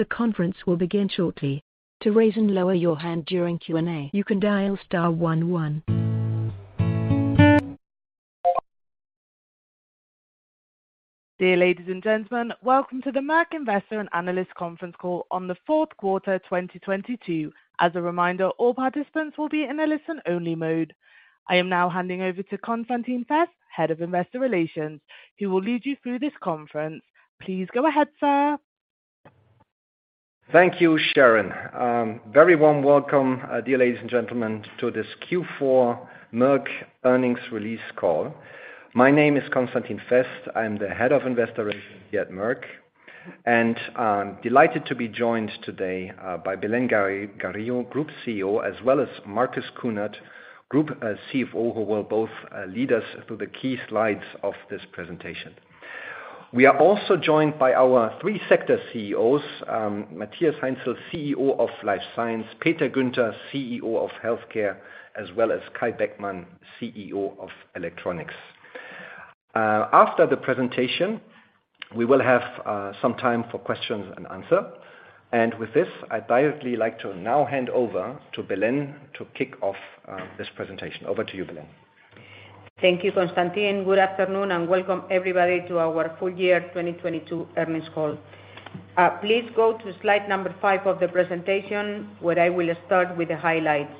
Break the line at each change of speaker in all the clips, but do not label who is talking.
The conference will begin shortly. To raise and lower your hand during Q&A, you can dial star one one. Dear ladies and gentlemen, welcome to the Merck Investor and Analyst Conference Call on the Fourth Quarter 2022. As a reminder, all participants will be in a listen-only mode. I am now handing over to Constantin Fest, Head of Investor Relations, who will lead you through this conference. Please go ahead, sir.
Thank you, Sharon. Very warm welcome, dear ladies and gentlemen, to this Q4 Merck Earnings Release Call. My name is Constantin Fest. I'm the Head of Investor Relations here at Merck. I'm delighted to be joined today, by Belén Garijo, Group CEO, as well as Marcus Kuhnert, Group CFO, who will both lead us through the key slides of this presentation. We are also joined by our three sector CEOs: Matthias Heinzel, CEO of Life Science, Peter Guenter, CEO of Healthcare, as well as Kai Beckmann, CEO of Electronics. After the presentation, we will have some time for questions and answer. With this, I'd directly like to now hand over to Belén to kick off this presentation. Over to you, Belén.
Thank you, Constantin. Good afternoon, and welcome everybody to our Full Year 2022 Earnings Call. Please go to slide number five of the presentation, where I will start with the highlights.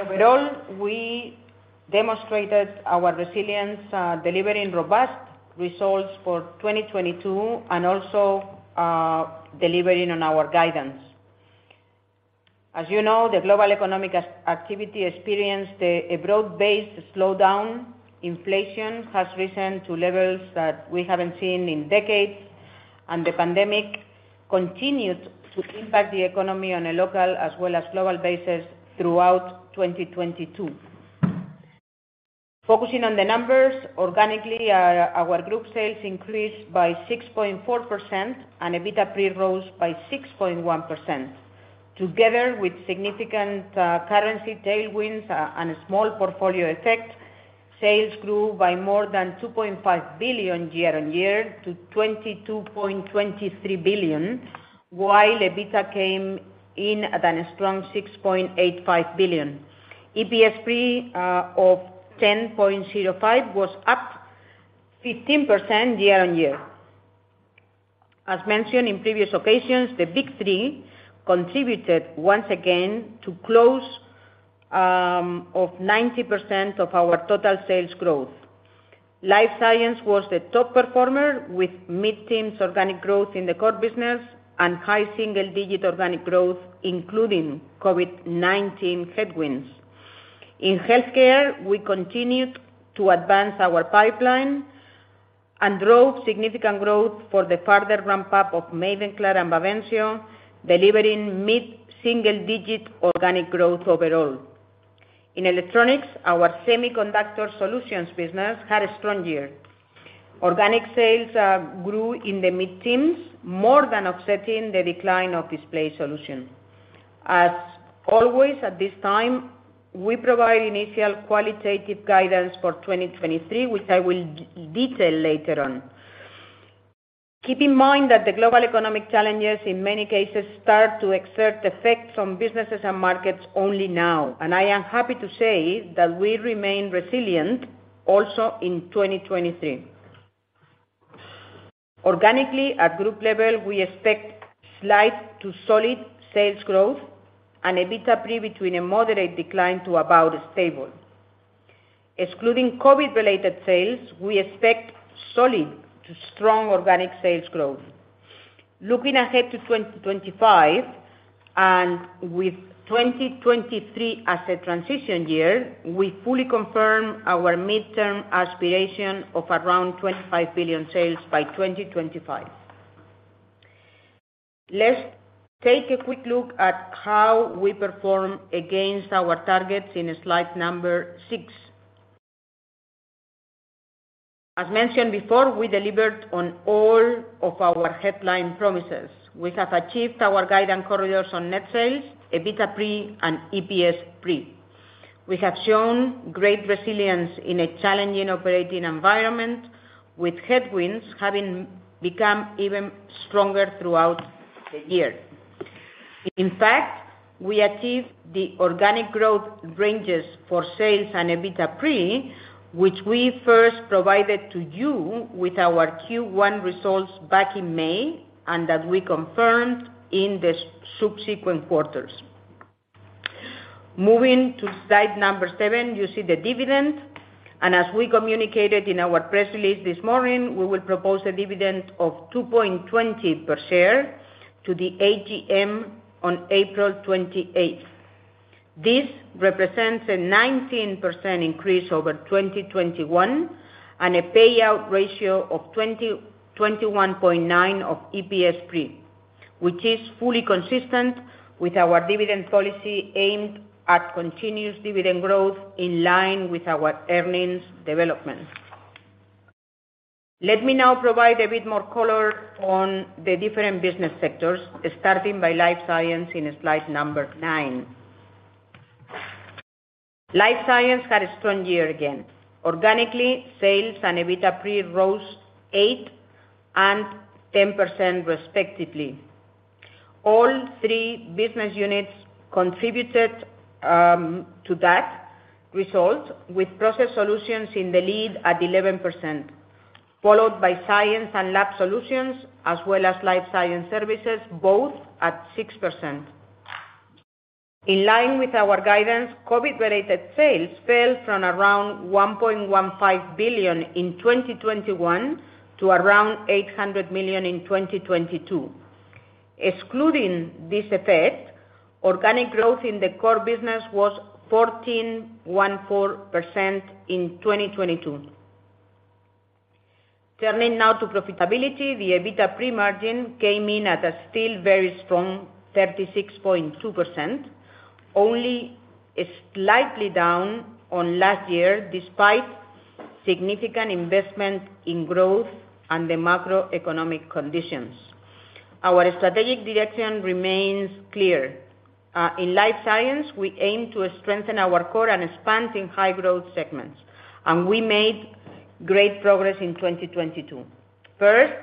Overall, we demonstrated our resilience, delivering robust results for 2022 and also delivering on our guidance. As you know, the global economic activity experienced a broad-based slowdown. Inflation has risen to levels that we haven't seen in decades, and the pandemic continued to impact the economy on a local as well as global basis throughout 2022. Focusing on the numbers, organically, our group sales increased by 6.4% and EBITDA pre rose by 6.1%. Together with significant currency tailwinds and a small portfolio effect, sales grew by more than 2.5 billion year-on-year to 22.23 billion, while EBITDA came in at a strong 6.85 billion. EPS pre of 10.05 million was up 15% year-on-year. As mentioned in previous occasions, the big three contributed once again to close of 90% of our total sales growth. Life Science was the top performer with mid-teens organic growth in the core business and high single-digit organic growth, including COVID-19 headwinds. In healthcare, we continued to advance our pipeline and drove significant growth for the further ramp up of Mavenclad and Bavencio, delivering mid-single digit organic growth overall. In Electronics, our Semiconductor Solutions business had a strong year. Organic sales grew in the mid-teens, more than offsetting the decline of Display Solutions. At this time, we provide initial qualitative guidance for 2023, which I will detail later on. Keep in mind that the global economic challenges, in many cases, start to exert effects on businesses and markets only now. I am happy to say that we remain resilient also in 2023. Organically, at group level, we expect slight to solid sales growth and EBITDA pre between a moderate decline to about stable. Excluding COVID-related sales, we expect solid to strong organic sales growth. Looking ahead to 2025, with 2023 as a transition year, we fully confirm our midterm aspiration of around 25 billion sales by 2025. Let's take a quick look at how we perform against our targets in slide number six. As mentioned before, we delivered on all of our headline promises. We have achieved our guidance corridors on net sales, EBITDA pre and EPS pre. We have shown great resilience in a challenging operating environment, with headwinds having become even stronger throughout the year. We achieved the organic growth ranges for sales and EBITDA pre, which we first provided to you with our Q1 results back in May, and that we confirmed in the subsequent quarters. Moving to slide number seven, you see the dividend. As we communicated in our press release this morning, we will propose a dividend of 2.20 per share to the AGM on April 28th. This represents a 19% increase over 2021 and a payout ratio of 21.9% of EPS pre, which is fully consistent with our dividend policy aimed at continuous dividend growth in line with our earnings development. Let me now provide a bit more color on the different business sectors, starting by Life Science in slide number niine. Life Science had a strong year again. Organically, sales and EBITDA pre rose 8% and 10% respectively. All three business units contributed to that result, with Process Solutions in the lead at 11%, followed by Science & Lab Solutions, as well as Life Science Services, both at 6%. In line with our guidance, COVID-related sales fell from around 1.15 billion in 2021 to around 800 million in 2022. Excluding this effect, organic growth in the core business was 14.4% in 2022. Turning now to profitability, the EBITDA pre came in at a still very strong 36.2%, only slightly down on last year, despite significant investment in growth and the macroeconomic conditions. Our strategic direction remains clear. In Life Science, we aim to strengthen our core and expand in high growth segments, and we made great progress in 2022. First,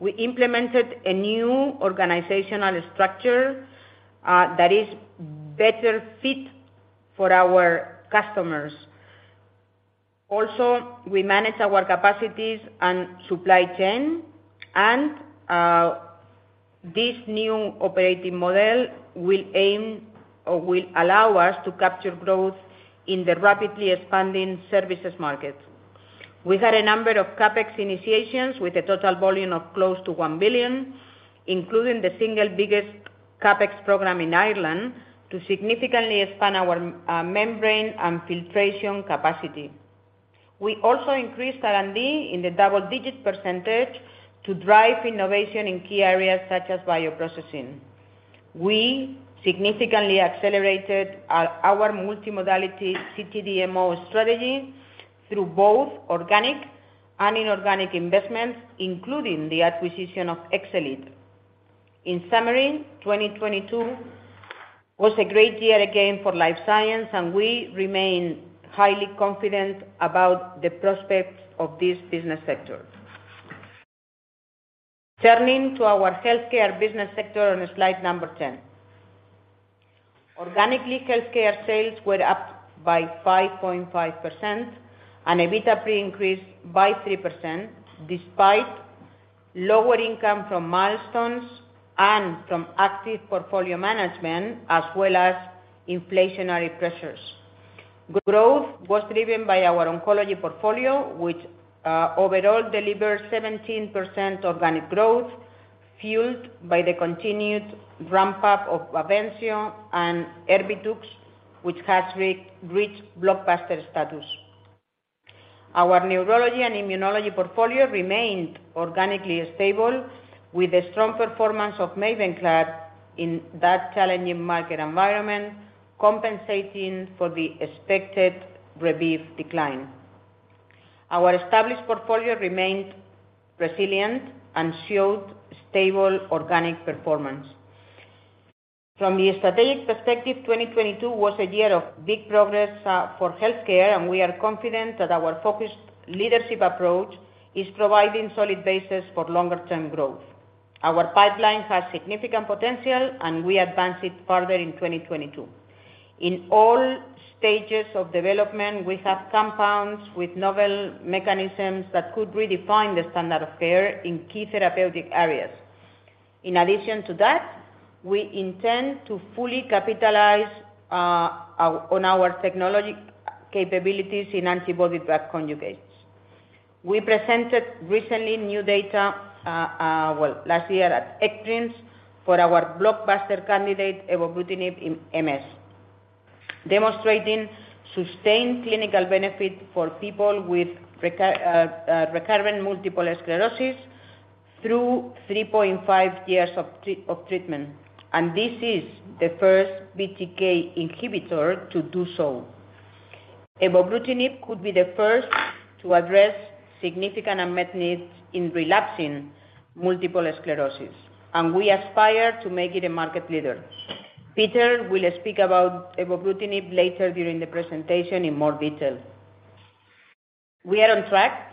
we implemented a new organizational structure that is better fit for our customers. Also, we manage our capacities and supply chain, and this new operating model will allow us to capture growth in the rapidly expanding services market. We had a number of CapEx initiations with a total volume of close to 1 billion, including the single biggest CapEx program in Ireland, to significantly expand our membrane and filtration capacity. We also increased R&D in the double-digit percentage to drive innovation in key areas such as bioprocessing. We significantly accelerated our multimodality CTDMO strategy through both organic and inorganic investments, including the acquisition of Exelead. In summary, 2022 was a great year again for Life Science, and we remain highly confident about the prospects of this business sector. Turning to our Healthcare business sector on slide number 10. Organically, Healthcare sales were up by 5.5% and EBITDA pre increased by 3% despite lower income from milestones and from active portfolio management as well as inflationary pressures. Growth was driven by our oncology portfolio, which overall delivered 17% organic growth fueled by the continued ramp-up of Bavencio and Erbitux, which has re-reached blockbuster status. Our neurology and immunology portfolio remained organically stable with the strong performance of Mavenclad in that challenging market environment, compensating for the expected Rebif decline. Our established portfolio remained resilient and showed stable organic performance. From the strategic perspective, 2022 was a year of big progress for healthcare. We are confident that our focused leadership approach is providing solid basis for longer-term growth. Our pipeline has significant potential. We advanced it further in 2022. In all stages of development, we have compounds with novel mechanisms that could redefine the standard of care in key therapeutic areas. In addition to that, we intend to fully capitalize on our technology capabilities in antibody-drug conjugates. We presented recently new data, well, last year at ECTRIMS for our blockbuster candidate evobrutinib in MS, demonstrating sustained clinical benefit for people with recurrent multiple sclerosis through 3.5 years of treatment. This is the first BTK inhibitor to do so. Evobrutinib could be the first to address significant unmet needs in relapsing multiple sclerosis, and we aspire to make it a market leader. Peter will speak about evobrutinib later during the presentation in more detail. We are on track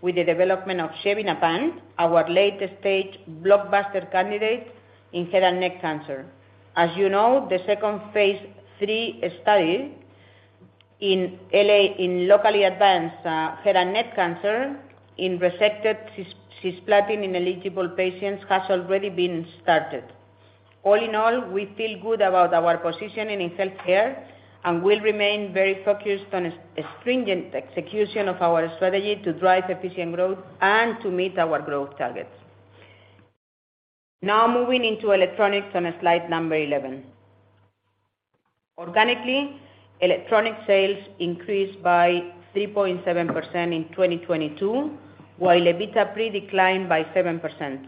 with the development of xevinapant, our late-stage blockbuster candidate in head and neck cancer. As you know, the second phase III study in locally advanced head and neck cancer in resected cisplatin-ineligible patients has already been started. All in all, we feel good about our positioning in healthcare and will remain very focused on stringent execution of our strategy to drive efficient growth and to meet our growth targets. Moving into Electronics on slide number 11. Organically, Electronics sales increased by 3.7% in 2022, while EBITDA pre declined by 7%.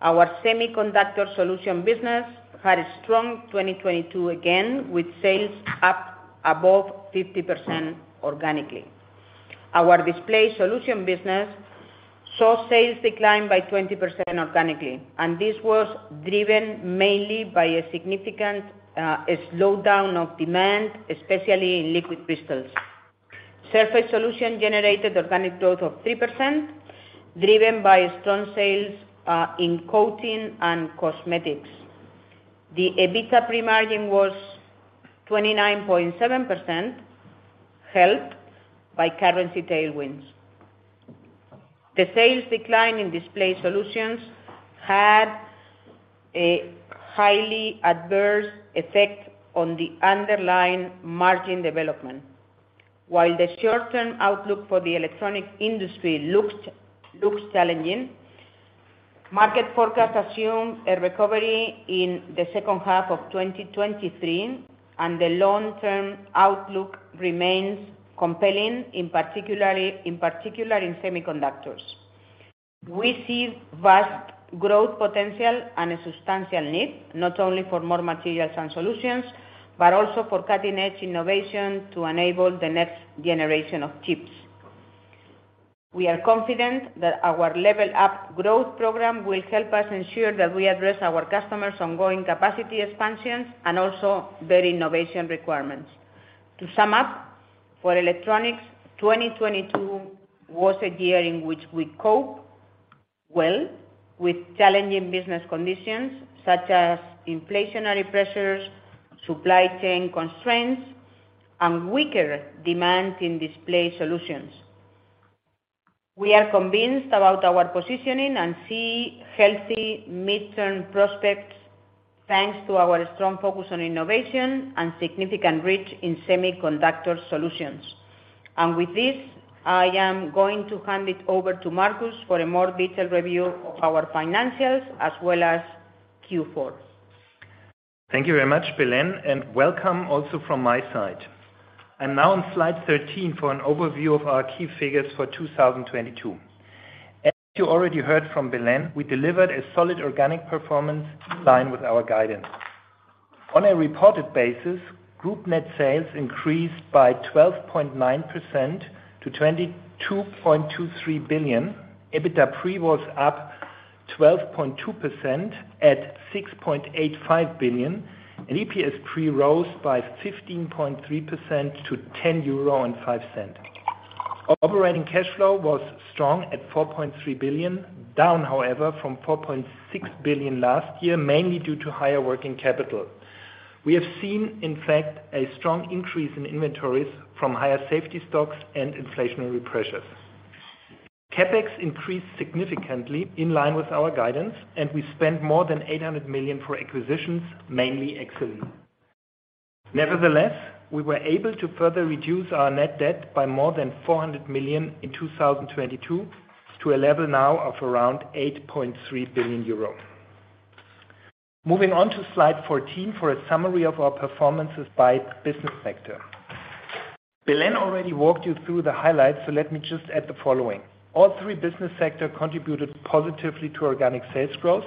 Our Semiconductor Solutions business had a strong 2022 again, with sales up above 50% organically. Our Display Solutions business saw sales decline by 20% organically, this was driven mainly by a significant slowdown of demand, especially in liquid crystals. Surface Solutions generated organic growth of 3%, driven by strong sales in coating and cosmetics. The EBITDA pre-margin was 29.7%, helped by currency tailwinds. The sales decline in Display Solutions had a highly adverse effect on the underlying margin development. While the short-term outlook for the electronic industry looks challenging, market forecasts assume a recovery in the second half of 2023, and the long-term outlook remains compelling, in particular in semiconductors. We see vast growth potential and a substantial need, not only for more materials and solutions, but also for cutting-edge innovation to enable the next generation of chips. We are confident that our Level Up growth program will help us ensure that we address our customers' ongoing capacity expansions and also their innovation requirements. To sum up, for electronics, 2022 was a year in which we cope well with challenging business conditions such as inflationary pressures, supply chain constraints, and weaker demand in Display Solutions. We are convinced about our positioning and see healthy midterm prospects thanks to our strong focus on innovation and significant reach in Semiconductor Solutions. With this, I am going to hand it over to Marcus for a more detailed review of our financials as well as Q4.
Thank you very much, Belén, and welcome also from my side. I'm now on slide 13 for an overview of our key figures for 2022. As you already heard from Belén, we delivered a solid organic performance in line with our guidance. On a reported basis, group net sales increased by 12.9% to 22.23 billion. EBITDA pre was up 12.2% at 6.85 billion. EPS pre rose by 15.3% to 10.05 euro. Operating cash flow was strong at 4.3 billion, down however, from 4.6 billion last year, mainly due to higher working capital. We have seen, in fact, a strong increase in inventories from higher safety stocks and inflationary pressures. CapEx increased significantly in line with our guidance. We spent more than 800 million for acquisitions, mainly Exelead. Nevertheless, we were able to further reduce our net debt by more than 400 million in 2022 to a level now of around 8.3 billion euro. Moving on to slide 14 for a summary of our performances by business sector. Belén already walked you through the highlights, so let me just add the following: All three business sector contributed positively to organic sales growth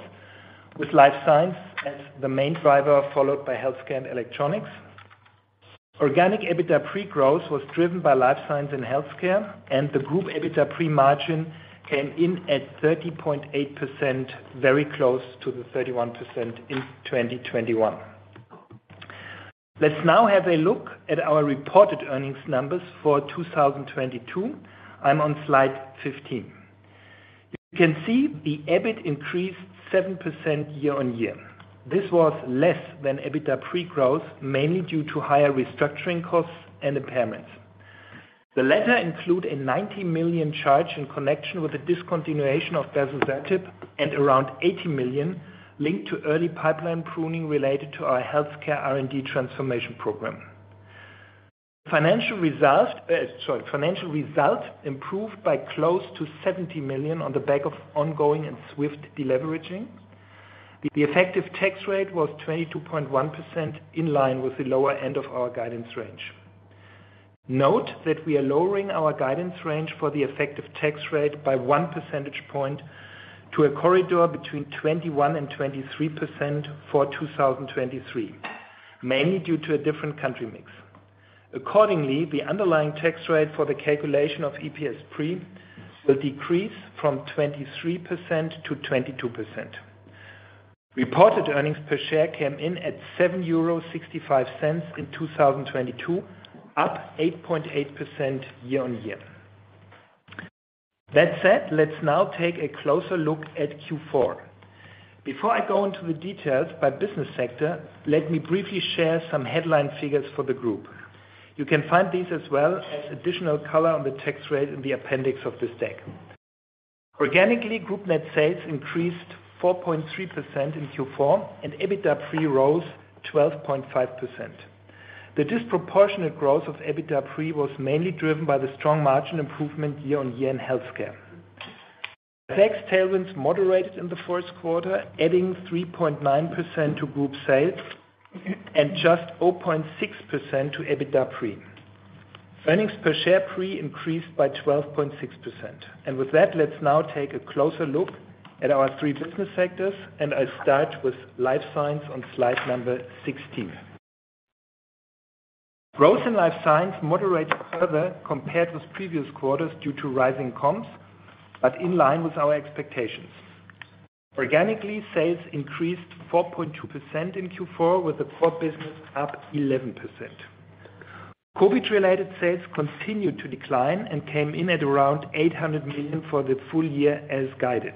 with Life Science as the main driver, followed by Healthcare and Electronics. Organic EBITDA pre-growth was driven by Life Science and Healthcare. The group EBITDA pre-margin came in at 30.8%, very close to the 31% in 2021. Let's now have a look at our reported earnings numbers for 2022. I'm on slide 15. You can see the EBIT increased 7% year on year. This was less than EBITDA pre-growth, mainly due to higher restructuring costs and impairments. The latter include a 90 million charge in connection with the discontinuation of berzosertib and around 80 million linked to early pipeline pruning related to our healthcare R&D transformation program. Financial results, sorry. Financial results improved by close to 70 million on the back of ongoing and swift deleveraging. The effective tax rate was 22.1% in line with the lower end of our guidance range. Note that we are lowering our guidance range for the effective tax rate by 1 percentage point to a corridor between 21% and 23% for 2023, mainly due to a different country mix. Accordingly, the underlying tax rate for the calculation of EPS pre will decrease from 23% to 22%. Reported earnings per share came in at 7.65 euros in 2022, up 8.8% year-on-year. That said, let's now take a closer look at Q4. Before I go into the details by business sector, let me briefly share some headline figures for the group. You can find these as well as additional color on the tax rate in the appendix of this deck. Organically, group net sales increased 4.3% in Q4 and EBITDA pre rose 12.5%. The disproportionate growth of EBITDA pre was mainly driven by the strong margin improvement year-on-year in Healthcare. Tax tailwinds moderated in the fourth quarter, adding 3.9% to group sales and just 0.6% to EBITDA pre. Earnings per share pre increased by 12.6%. With that, let's now take a closer look at our three business sectors, and I start with Life Science on slide number 16. Growth in Life Science moderated further compared to previous quarters due to rising comps, but in line with our expectations. Organically, sales increased 4.2% in Q4, with the core business up 11%. COVID-related sales continued to decline and came in at around 800 million for the full year as guided.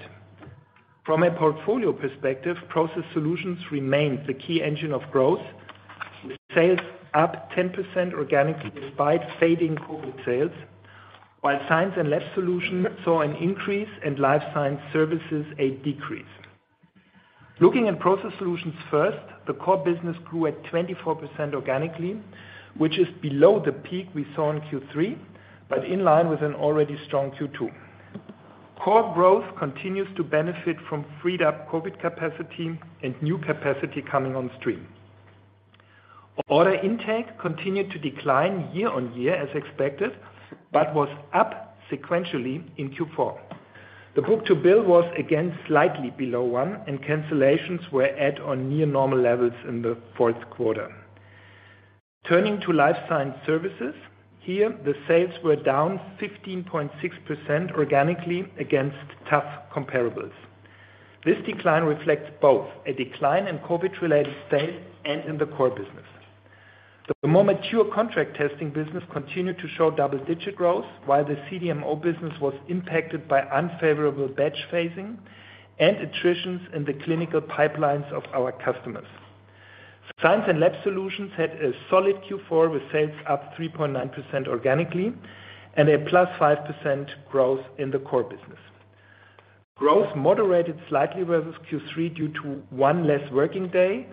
From a portfolio perspective, Process Solutions remained the key engine of growth, with sales up 10% organically despite fading COVID sales, while Science & Lab Solutions saw an increase in Life Science Services, a decrease. Looking at Process Solutions first, the core business grew at 24% organically, which is below the peak we saw in Q3, but in line with an already strong Q2. Core growth continues to benefit from freed up COVID capacity and new capacity coming on stream. Order intake continued to decline year-on-year as expected, but was up sequentially in Q4. The book-to-bill was again slightly below one, and cancellations were at or near normal levels in the fourth quarter. Turning to Life Science Services, here the sales were down 15.6% organically against tough comparables. This decline reflects both a decline in COVID-related sales and in the core business. The more mature contract testing business continued to show double-digit growth, while the CDMO business was impacted by unfavorable batch phasing and attritions in the clinical pipelines of our customers. Science and Lab Solutions had a solid Q4, with sales up 3.9% organically and a +5% growth in the core business. Growth moderated slightly versus Q3 due to one less working day,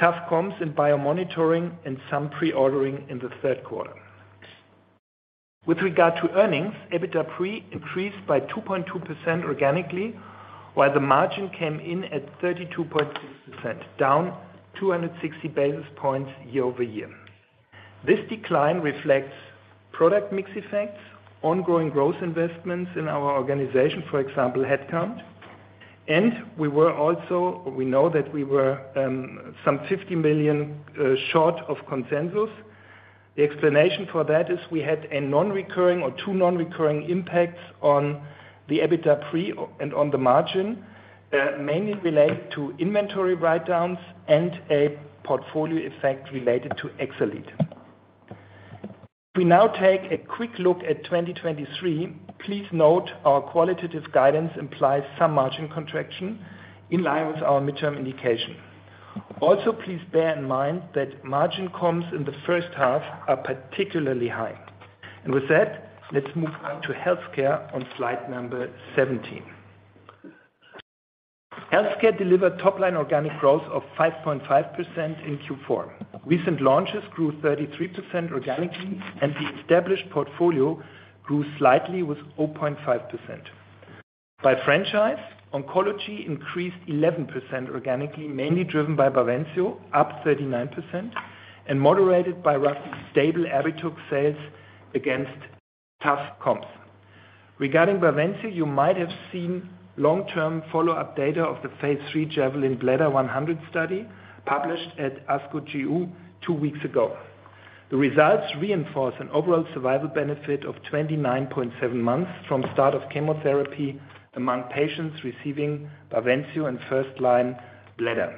tough comps in biomonitoring and some pre-ordering in the third quarter. With regard to earnings, EBITDA pre increased by 2.2% organically, while the margin came in at 32.6%, down 260 basis points year-over-year. This decline reflects product mix effects, ongoing growth investments in our organization, for example, headcount. We know that we were some 50 million short of consensus. The explanation for that is we had a non-recurring or two non-recurring impacts on the EBITDA pre and on the margin, mainly related to inventory write-downs and a portfolio effect related to Exelead. If we now take a quick look at 2023, please note our qualitative guidance implies some margin contraction in line with our midterm indication. Please bear in mind that margin comps in the first half are particularly high. With that, let's move on to Healthcare on slide number 17. Healthcare delivered top-line organic growth of 5.5% in Q4. Recent launches grew 33% organically, and the established portfolio grew slightly with 0.5%. By franchise, oncology increased 11% organically, mainly driven by Bavencio, up 39%, and moderated by stable Abraxane sales against tough comps. Regarding Bavencio, you might have seen long-term follow-up data of the phase III JAVELIN Bladder 100 study published at ASCO GU two weeks ago. The results reinforce an overall survival benefit of 29.7 months from start of chemotherapy among patients receiving Bavencio in first-line bladder.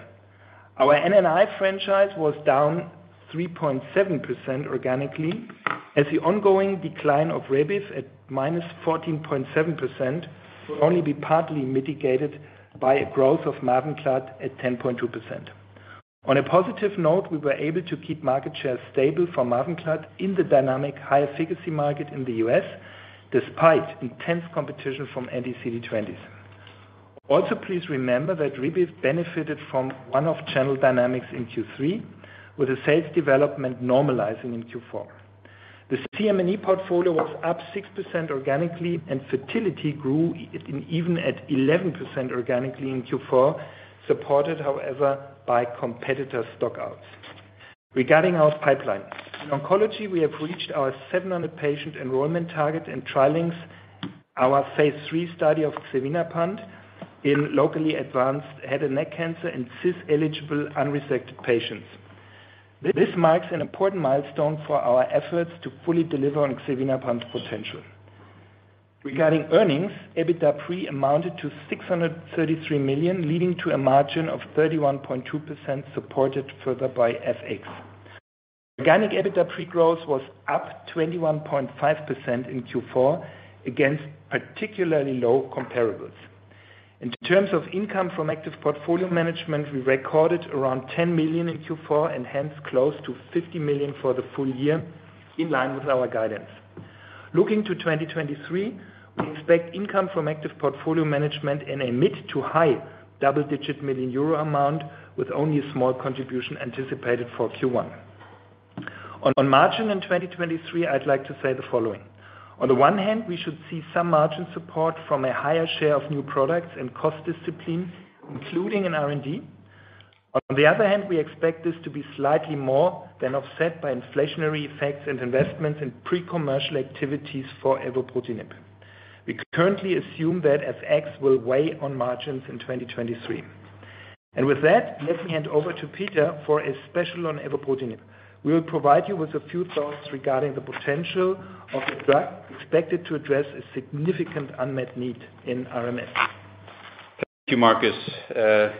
Our NNI franchise was down 3.7% organically as the ongoing decline of Rebif at -14.7% will only be partly mitigated by a growth of Mavenclad at 10.2%. On a positive note, we were able to keep market share stable for Mavenclad in the dynamic high efficacy market in the U.S., despite intense competition from anti-CD20. Please remember that Rebif benefited from one-off channel dynamics in Q3, with the sales development normalizing in Q4. The CM&E portfolio was up 6% organically, fertility grew even at 11% organically in Q4, supported however by competitor stock outs. Regarding our pipeline. In oncology, we have reached our 700 patient enrollment target in trialing our phase III study of xevinapant in locally advanced head and neck cancer in Cis-eligible unresected patients. This marks an important milestone for our efforts to fully deliver on xevinapant's potential. Regarding earnings, EBITDA pre amounted to 633 million, leading to a margin of 31.2%, supported further by FX. Organic EBITDA pre-growth was up 21.5% in Q4 against particularly low comparables. In terms of income from active portfolio management, we recorded around 10 million in Q4 and hence close to 50 million for the full year in line with our guidance. Looking to 2023, we expect income from active portfolio management in a mid to high double-digit million euro amount, with only a small contribution anticipated for Q1. On margin in 2023, I'd like to say the following. On the one hand, we should see some margin support from a higher share of new products and cost discipline, including in R&D. On the other hand, we expect this to be slightly more than offset by inflationary effects and investments in pre-commercial activities for evobrutinib. We currently assume that FX will weigh on margins in 2023. Let me hand over to Peter for a special on evobrutinib. We will provide you with a few thoughts regarding the potential of the drug expected to address a significant unmet need in RMS.
Thank you, Marcus.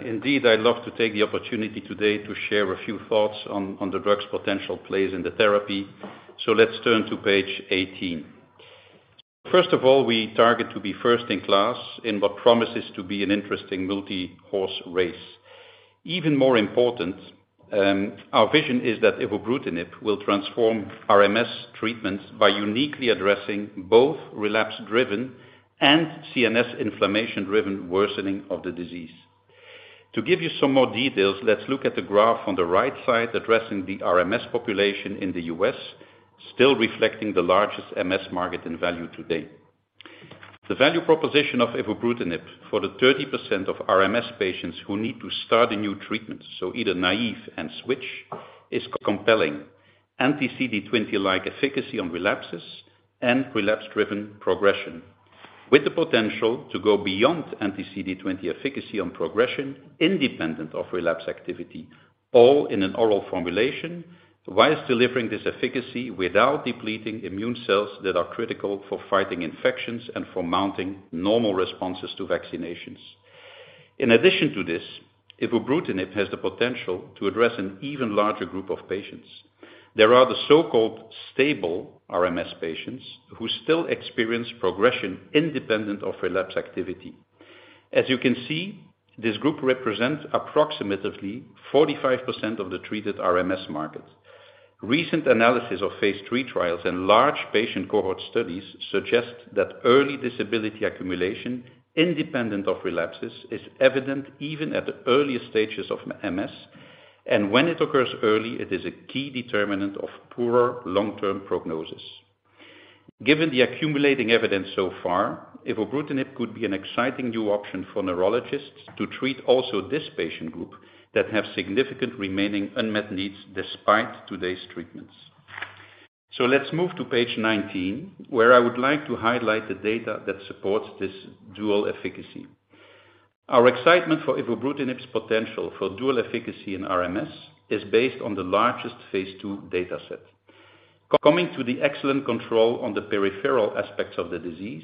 Indeed, I'd love to take the opportunity today to share a few thoughts on the drug's potential plays in the therapy. Let's turn to page 18. First of all, we target to be first in class in what promises to be an interesting multi-horse race. Even more important, our vision is that evobrutinib will transform RMS treatments by uniquely addressing both relapse-driven and CNS inflammation-driven worsening of the disease. To give you some more details, let's look at the graph on the right side addressing the RMS population in the U.S., still reflecting the largest MS market in value today. The value proposition of evobrutinib for the 30% of RMS patients who need to start a new treatment, so either naive and switch, is compelling. Anti-CD20-like efficacy on relapses and relapse-driven progression, with the potential to go beyond anti-CD20 efficacy on progression independent of relapse activity, all in an oral formulation, whilst delivering this efficacy without depleting immune cells that are critical for fighting infections and for mounting normal responses to vaccinations. In addition to this, evobrutinib has the potential to address an even larger group of patients. There are the so-called stable RMS patients who still experience progression independent of relapse activity. As you can see, this group represents approximately 45% of the treated RMS market. Recent analysis of phase III trials and large patient cohort studies suggest that early disability accumulation independent of relapses is evident even at the earliest stages of MS, and when it occurs early, it is a key determinant of poorer long-term prognosis. Given the accumulating evidence so far, evobrutinib could be an exciting new option for neurologists to treat also this patient group that have significant remaining unmet needs despite today's treatments. Let's move to page 19, where I would like to highlight the data that supports this dual efficacy. Our excitement for evobrutinib's potential for dual efficacy in RMS is based on the largest phase II data set. Coming to the excellent control on the peripheral aspects of the disease,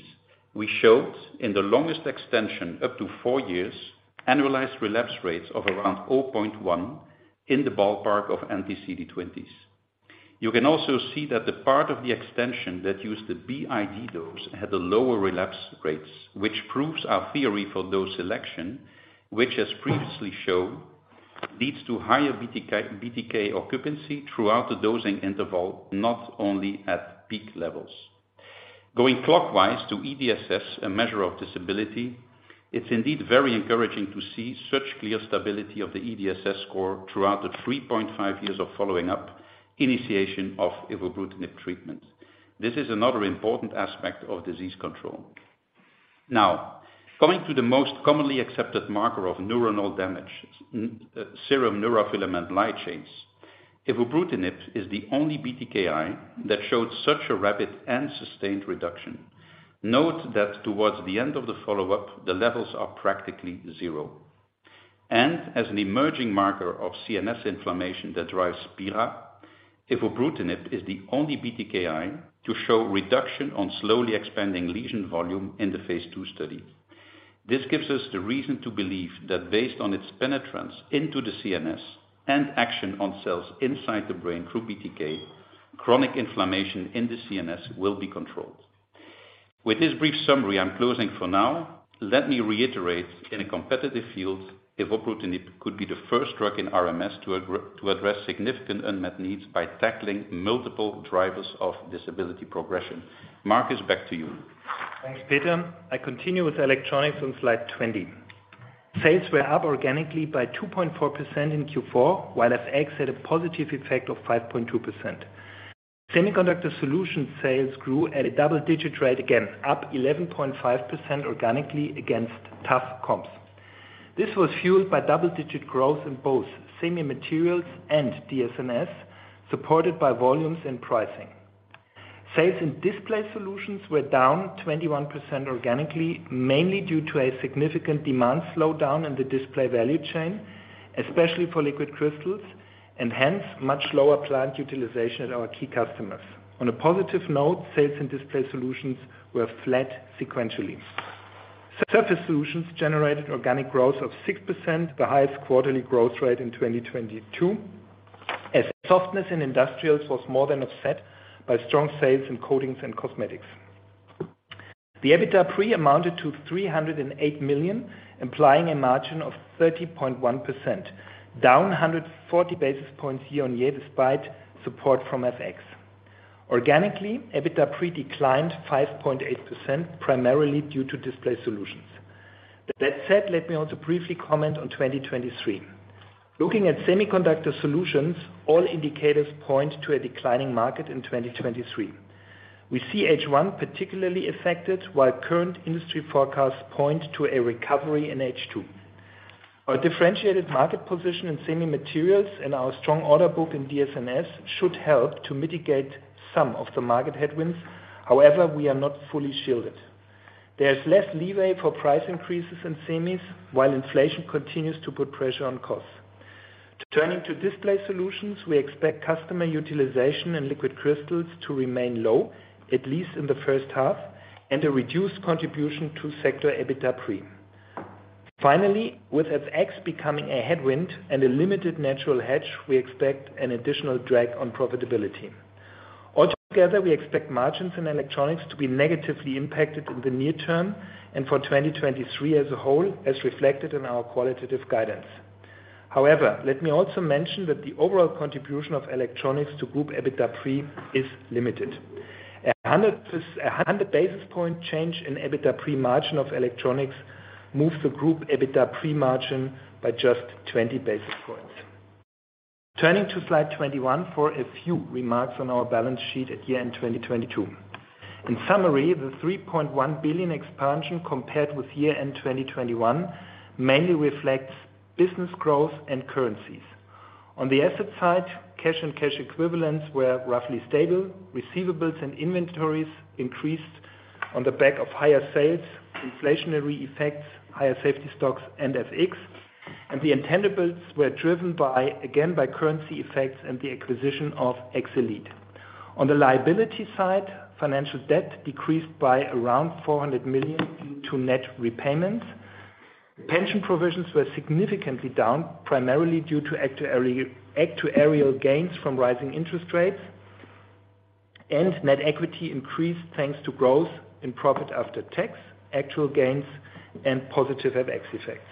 we showed in the longest extension, up to four years, annualized relapse rates of around 0.1 in the ballpark of anti-CD20s. You can also see that the part of the extension that used the BID dose had the lower relapse rates, which proves our theory for dose selection, which as previously shown, leads to higher BTK occupancy throughout the dosing interval, not only at peak levels. Going clockwise to EDSS, a measure of disability, it's indeed very encouraging to see such clear stability of the EDSS score throughout the 3.5 years of following up initiation of evobrutinib treatment. This is another important aspect of disease control. Now, coming to the most commonly accepted marker of neuronal damage, serum neurofilament light chain, evobrutinib is the only BTKI that showed such a rapid and sustained reduction. Note that towards the end of the follow-up, the levels are practically zero. And as an emerging marker of CNS inflammation that drives PIRA, evobrutinib is the only BTKI to show reduction on slowly expanding lesion volume in the phase II study. This gives us the reason to believe that based on its penetrance into the CNS and action on cells inside the brain through BTK, chronic inflammation in the CNS will be controlled. With this brief summary, I'm closing for now. Let me reiterate, in a competitive field, evobrutinib could be the first drug in RMS to address significant unmet needs by tackling multiple drivers of disability progression. Marcus, back to you.
Thanks, Peter. I continue with Electronics on slide 20. Sales were up organically by 2.4% in Q4, while FX had a positive effect of 5.2%. Semiconductor Solutions sales grew at a double-digit rate again, up 11.5% organically against tough comps. This was fueled by double-digit growth in both semi materials and DSMS, supported by volumes and pricing. Sales in Display Solutions were down 21% organically, mainly due to a significant demand slowdown in the display value chain, especially for liquid crystals, and hence, much lower plant utilization at our key customers. On a positive note, sales and Display Solutions were flat sequentially. Surface Solutions generated organic growth of 6%, the highest quarterly growth rate in 2022, as softness in industrials was more than offset by strong sales in coatings and cosmetics. The EBITDA pre amounted to 308 million, implying a margin of 30.1%, down 140 basis points year-on-year despite support from FX. Organically, EBITDA pre declined 5.8%, primarily due to Display Solutions. Let me also briefly comment on 2023. Looking at Semiconductor Solutions, all indicators point to a declining market in 2023. We see H1 particularly affected, while current industry forecasts point to a recovery in H2. Our differentiated market position in semi materials and our strong order book in DSMS should help to mitigate some of the market headwinds. We are not fully shielded. There is less leeway for price increases in semis, while inflation continues to put pressure on costs. Turning to Display Solutions, we expect customer utilization and liquid crystals to remain low, at least in the first half, and a reduced contribution to sector EBITDA pre. Finally, with FX becoming a headwind and a limited natural hedge, we expect an additional drag on profitability. Altogether, we expect margins in Electronics to be negatively impacted in the near term and for 2023 as a whole, as reflected in our qualitative guidance. However, let me also mention that the overall contribution of Electronics to group EBITDA pre is limited. A 100 basis point change in EBITDA pre-margin of Electronics moves the group EBITDA pre-margin by just 20 basis points. Turning to slide 21 for a few remarks on our balance sheet at year-end 2022. In summary, the 3.1 billion expansion compared with year-end 2021 mainly reflects business growth and currencies. On the asset side, cash and cash equivalents were roughly stable. Receivables and inventories increased on the back of higher sales, inflationary effects, higher safety stocks, and FX. The intangibles were driven by, again, by currency effects and the acquisition of Exelead. On the liability side, financial debt decreased by around 400 million due to net repayments. Pension provisions were significantly down, primarily due to actuarial gains from rising interest rates. Net equity increased thanks to growth in profit after tax, actual gains, and positive FX effects.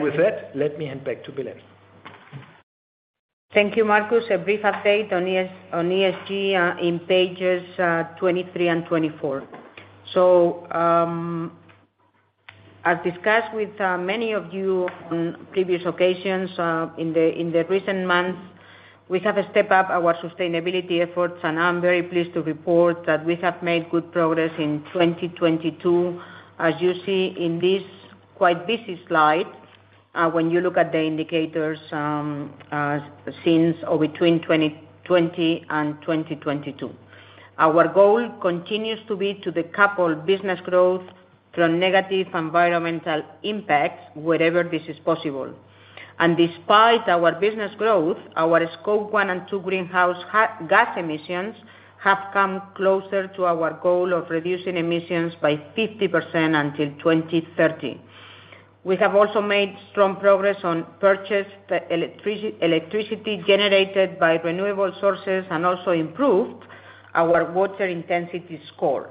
With that, let me hand back to Belén.
Thank you, Marcus. A brief update on ESG in pages 23 and 24. As discussed with many of you on previous occasions in the recent months, we have stepped up our sustainability efforts, and I'm very pleased to report that we have made good progress in 2022, as you see in this quite busy slide, when you look at the indicators since or between 2020 and 2022. Our goal continues to be to decouple business growth from negative environmental impacts wherever this is possible. Despite our business growth, our Scope 1 and 2 greenhouse gas emissions have come closer to our goal of reducing emissions by 50% until 2030. We have also made strong progress on purchased electricity generated by renewable sources, and also improved our water intensity score.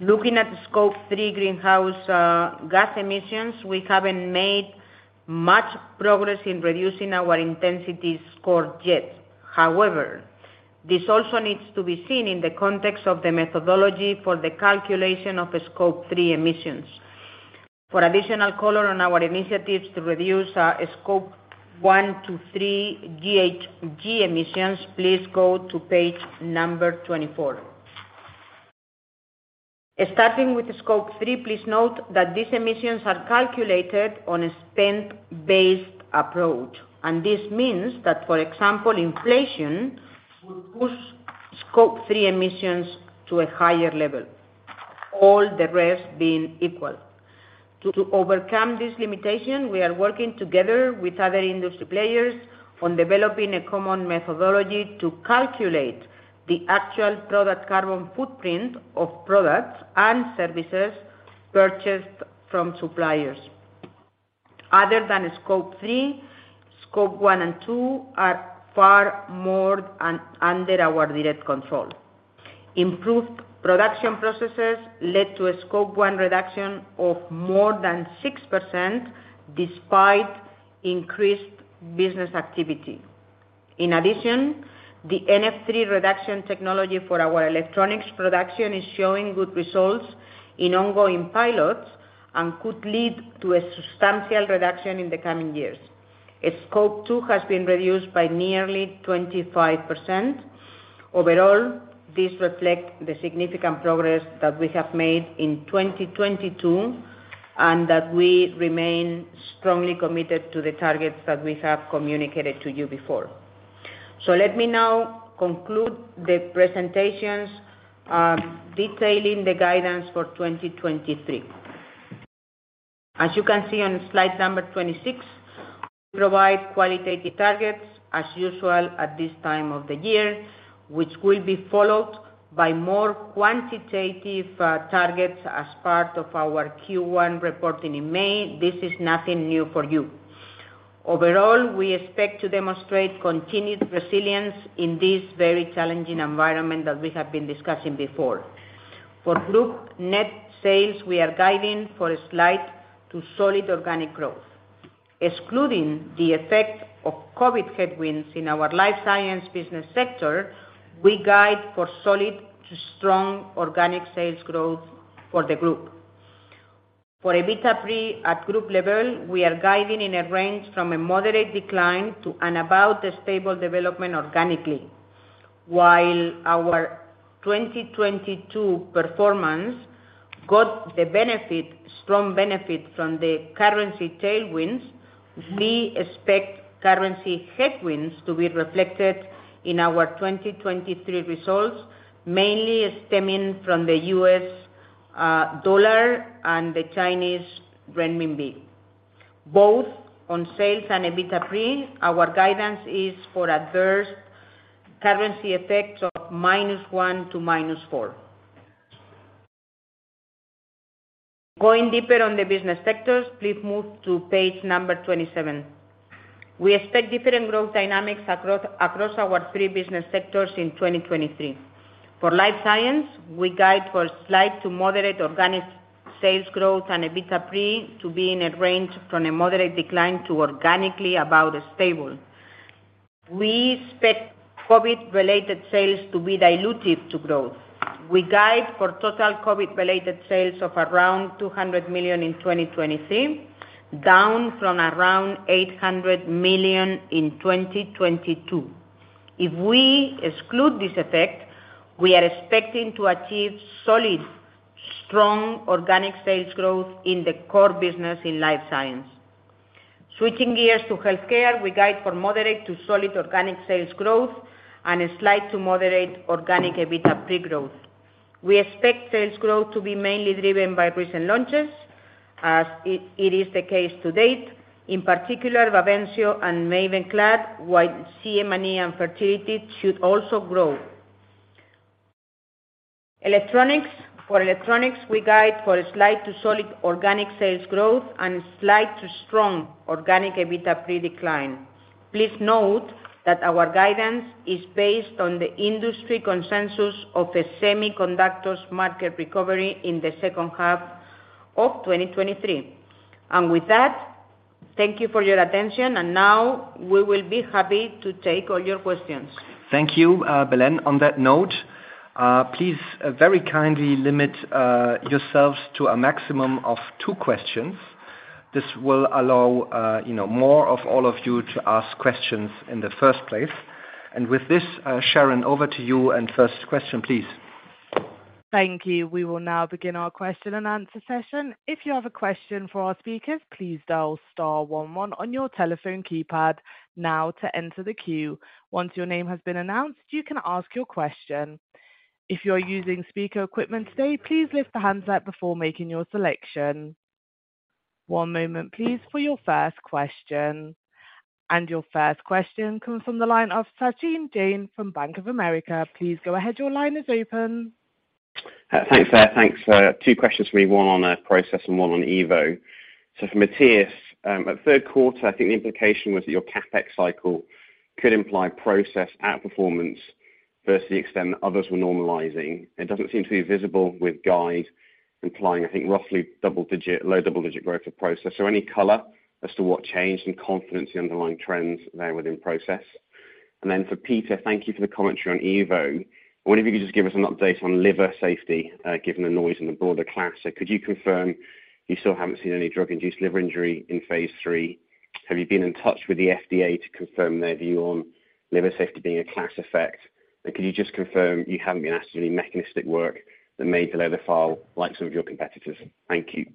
Looking at Scope 3 greenhouse gas emissions, we haven't made much progress in reducing our intensity score yet. However, this also needs to be seen in the context of the methodology for the calculation of Scope 3 emissions. For additional color on our initiatives to reduce Scope 1 to 3 GHG emissions, please go to page number 24. Starting with Scope 3, please note that these emissions are calculated on a spend-based approach. This means that, for example, inflation would push Scope 3 emissions to a higher level, all the rest being equal. To overcome this limitation, we are working together with other industry players on developing a common methodology to calculate the actual product carbon footprint of products and services purchased from suppliers. Other than Scope 3, Scope 1 and 2 are far more under our direct control. Improved production processes led to a Scope 1 reduction of more than 6% despite increased business activity. In addition, the NF3 reduction technology for our Electronics production is showing good results in ongoing pilots and could lead to a substantial reduction in the coming years. As Scope 2 has been reduced by nearly 25%. Overall, this reflect the significant progress that we have made in 2022, and that we remain strongly committed to the targets that we have communicated to you before. Let me now conclude the presentations, detailing the guidance for 2023. As you can see on slide number 26, we provide qualitative targets as usual at this time of the year, which will be followed by more quantitative targets as part of our Q1 reporting in May. This is nothing new for you. Overall, we expect to demonstrate continued resilience in this very challenging environment that we have been discussing before. For group net sales, we are guiding for a slight to solid organic growth. Excluding the effect of COVID headwinds in our Life Science business sector, we guide for solid to strong organic sales growth for the group. For EBITDA pre at group level, we are guiding in a range from a moderate decline to an about stable development organically. While our 2022 performance got the benefit, strong benefit from the currency tailwinds, we expect currency headwinds to be reflected in our 2023 results, mainly stemming from the U.S. dollar and the Chinese renminbi. Both on sales and EBITDA pre, our guidance is for adverse currency effects of -1 to -4. Going deeper on the business sectors, please move to page number 27. We expect different growth dynamics across our three business sectors in 2023. For Life Science, we guide for slight to moderate organic sales growth and EBITDA pre to be in a range from a moderate decline to organically about stable. We expect COVID-related sales to be dilutive to growth. We guide for total COVID-related sales of around 200 million in 2023, down from around 800 million in 2022. If we exclude this effect, we are expecting to achieve solid, strong organic sales growth in the core business in Life Science. Switching gears to Healthcare, we guide for moderate to solid organic sales growth and a slight to moderate organic EBITDA pre-growth. We expect sales growth to be mainly driven by recent launches, as it is the case to date, in particular, Bavencio and Mavenclad, while CM&E and fertility should also grow. Electronics. For Electronics, we guide for a slight to solid organic sales growth and slight to strong organic EBITDA pre-decline. Please note that our guidance is based on the industry consensus of the semiconductors market recovery in the second half of 2023. With that, thank you for your attention. Now we will be happy to take all your questions.
Thank you, Belén. On that note, please, very kindly limit, yourselves to a maximum of two questions. This will allow, you know, more of all of you to ask questions in the first place. With this, Sharon, over to you. First question, please.
Thank you. We will now begin our question and answer session. If you have a question for our speakers, please dial star one one on your telephone keypad now to enter the queue. Once your name has been announced, you can ask your question. If you're using speaker equipment today, please lift the handset before making your selection. One moment please, for your first question. Your first question comes from the line of Sachin Jain from Bank of America. Please go ahead. Your line is open.
Thanks there. Thanks. Two questions for me, one on Process and one on Evo. For Matthias, at third quarter, I think the implication was that your CapEx cycle could imply Process outperformance versus the extent that others were normalizing. It doesn't seem to be visible with guide implying, I think, roughly double-digit, low double-digit growth of Process. Any color as to what changed in confidence, the underlying trends there within Process? For Peter, thank you for the commentary on Evo. I wonder if you could just give us an update on liver safety, given the noise in the broader class. Could you confirm you still haven't seen any drug-induced liver injury in phase III? Have you been in touch with the FDA to confirm their view on liver safety being a class effect? Could you just confirm you haven't been asked to do any mechanistic work that made the leather file like some of your competitors? Thank you.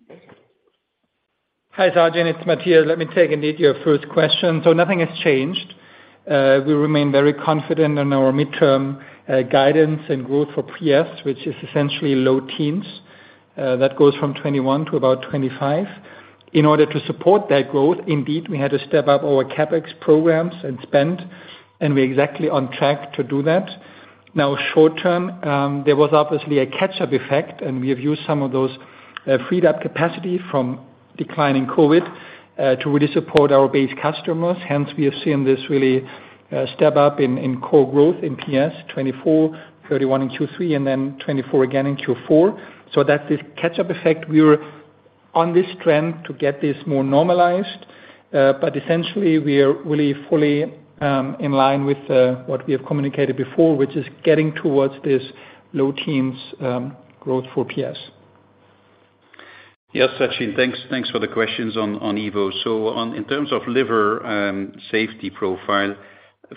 Hi, Sachin, it's Matthias. Let me take indeed your first question. Nothing has changed. We remain very confident in our midterm guidance and growth for PS, which is essentially low teens. That goes from 2021 to about 2025. In order to support that growth, indeed, we had to step up our CapEx programs and spend, and we're exactly on track to do that. Now, short-term, there was obviously a catch-up effect, and we have used some of those freed up capacity from declining COVID to really support our base customers. We have seen this really step up in core growth in PS, 24%, 31% in Q3, and then 24% again in Q4. That's this catch-up effect. We were on this trend to get this more normalized, but essentially we are really fully in line with what we have communicated before, which is getting towards this low teens growth for PS.
Sachin, thanks for the questions on Evo. In terms of liver safety profile,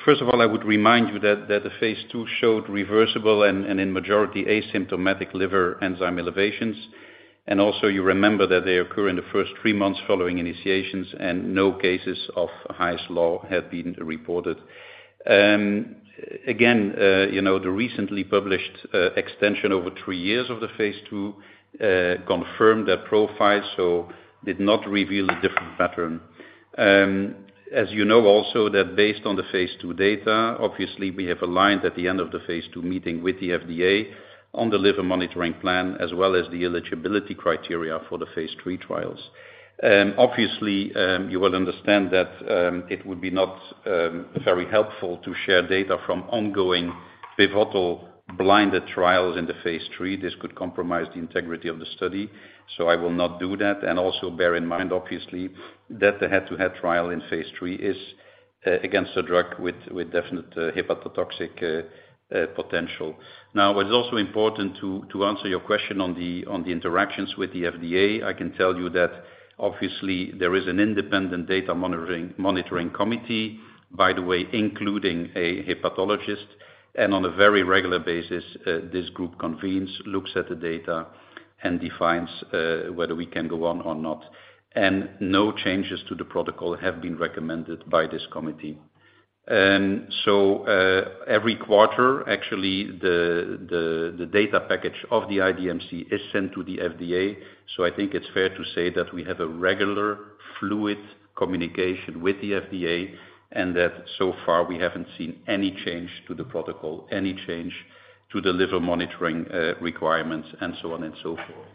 first of all, I would remind you that the phase II showed reversible and in majority asymptomatic liver enzyme elevations. Also you remember that they occur in the first three months following initiations and no cases of Hy's Law have been reported. Again, you know, the recently published extension over three years of the phase II confirmed that profile, so did not reveal a different pattern. As you know, also that based on the phase II data, obviously we have aligned at the end of the phase II meeting with the FDA on the liver monitoring plan, as well as the eligibility criteria for the phase III trials. Obviously, you will understand that it would be not very helpful to share data from ongoing pivotal blinded trials in the phase III. This could compromise the integrity of the study, so I will not do that. Also bear in mind, obviously, that the head-to-head trial in phase III is against a drug with definite hepatotoxic potential. What is also important to answer your question on the interactions with the FDA, I can tell you that obviously there is an independent data monitoring committee, by the way, including a hepatologist. On a very regular basis, this group convenes, looks at the data, and defines whether we can go on or not. No changes to the protocol have been recommended by this committee. Every quarter, actually the data package of the IDMC is sent to the FDA. I think it's fair to say that we have a regular fluid communication with the FDA, and that so far, we haven't seen any change to the protocol, any change to the liver monitoring, requirements, and so on and so forth.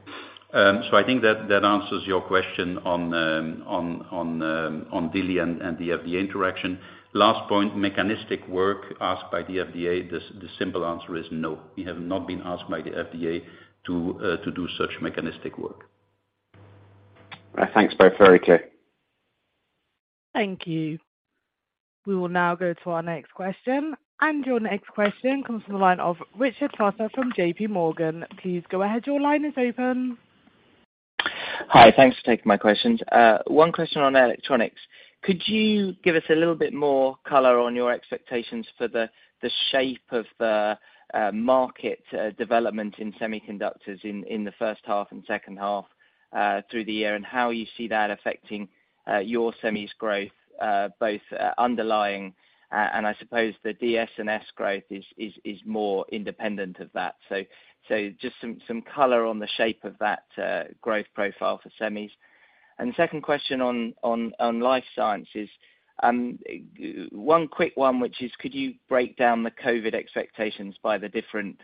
I think that answers your question on DILI and the FDA interaction. Last point, mechanistic work asked by the FDA. The simple answer is no. We have not been asked by the FDA to do such mechanistic work.
Thanks both. Very clear.
Thank you. We will now go to our next question. Your next question comes from the line of Richard Vosser from JPMorgan. Please go ahead. Your line is open.
Hi. Thanks for taking my questions. One question on Electronics. Could you give us a little bit more color on your expectations for the shape of the market development in semiconductors in the first half and second half through the year, and how you see that affecting your semis growth, both underlying, and I suppose the DSNS growth is more independent of that. Just some color on the shape of that growth profile for semis. Second question on Life Science is one quick one, which is could you break down the COVID expectations by the different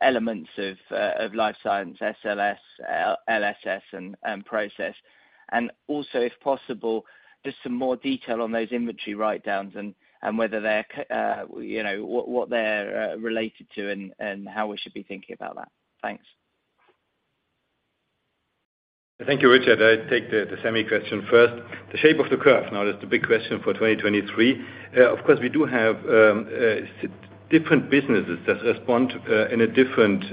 elements of Life Science, SLS, LSS and Process? Also, if possible, just some more detail on those inventory writedowns and whether they're, you know what they're related to and how we should be thinking about that. Thanks.
Thank you, Richard. I take the semi question first. The shape of the curve, that's the big question for 2023. Of course, we do have different businesses that respond in a different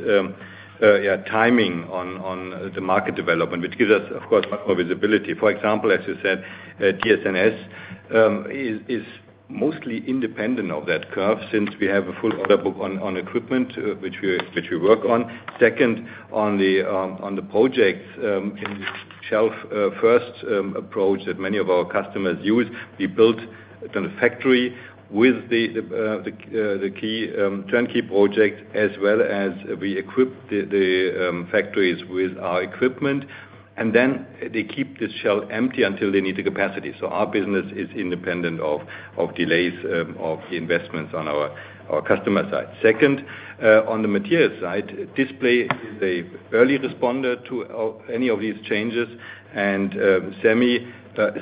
timing on the market development, which gives us, of course, more visibility. For example, as you said, DSNS is mostly independent of that curve since we have a full order book on equipment which we work on. Second, on the projects in shelf, first approach that many of our customers use, we built the factory with the key turnkey project, as well as we equip the factories with our equipment and then they keep the shelf empty until they need the capacity. Our business is independent of delays, of investments on our customer side. Second, on the materials side, display is a early responder to any of these changes. Semi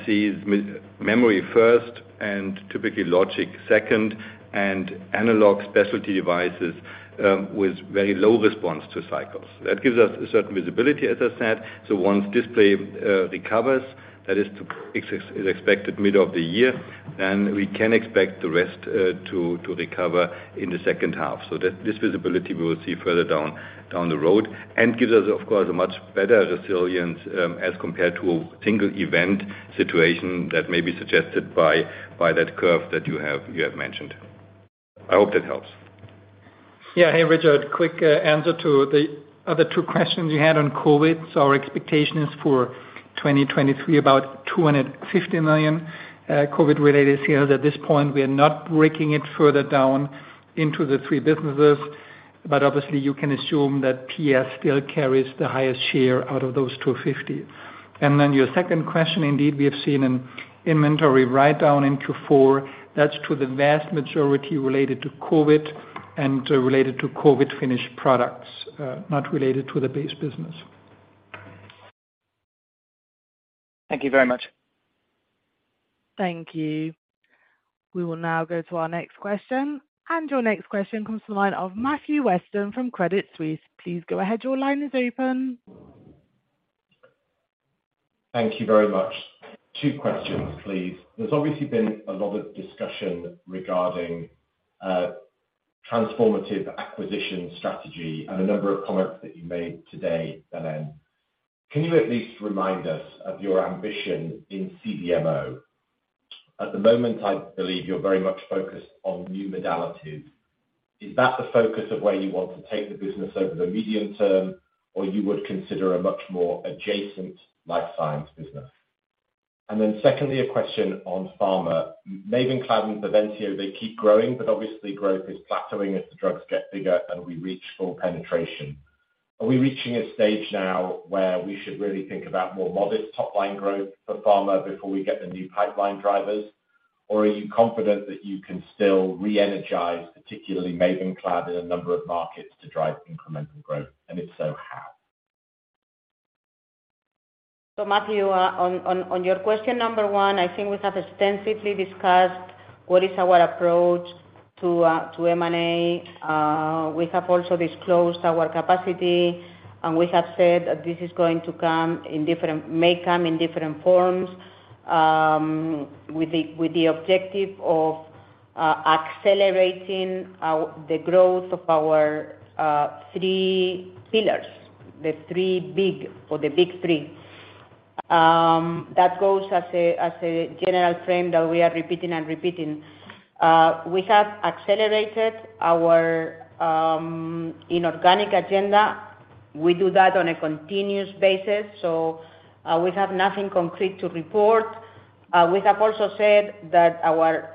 sees memory first and typically logic second, and analog specialty devices, with very low response to cycles. That gives us a certain visibility, as I said. Once display recovers, that is expected middle of the year, then we can expect the rest to recover in the second half. This visibility we will see further down the road, and gives us, of course, a much better resilience, as compared to single event situation that may be suggested by that curve that you have mentioned. I hope that helps.
Yeah. Hey, Richard. Quick answer to the other two questions you had on COVID. Our expectation is for 2023, about 250 million COVID-related sales. At this point, we are not breaking it further down into the three businesses, but obviously you can assume that PS still carries the highest share out of those 250 million. Your second question, indeed, we have seen an inventory write down in Q4. That's to the vast majority related to COVID and related to COVID finished products, not related to the base business.
Thank you very much.
Thank you. We will now go to our next question. Your next question comes to the line of Matthew Weston from Credit Suisse. Please go ahead. Your line is open.
Thank you very much. Two questions, please. There's obviously been a lot of discussion regarding transformative acquisition strategy and a number of comments that you made today, Belén. Can you at least remind us of your ambition in CDMO? At the moment, I believe you're very much focused on new modalities. Is that the focus of where you want to take the business over the medium term, or you would consider a much more adjacent life science business? Secondly, a question on pharma. Mavenclad and Bavencio, they keep growing, but obviously growth is plateauing as the drugs get bigger and we reach full penetration. Are we reaching a stage now where we should really think about more modest top-line growth for pharma before we get the new pipeline drivers? Are you confident that you can still re-energize, particularly Mavenclad in a number of markets to drive incremental growth? If so, how?
Matthew, on your question number one, I think we have extensively discussed what is our approach to M&A. We have also disclosed our capacity. We have said that this may come in different forms, with the objective of accelerating the growth of our three pillars, the three big or the big three. That goes as a general frame that we are repeating and repeating. We have accelerated our inorganic agenda. We do that on a continuous basis. We have nothing concrete to report. We have also said that our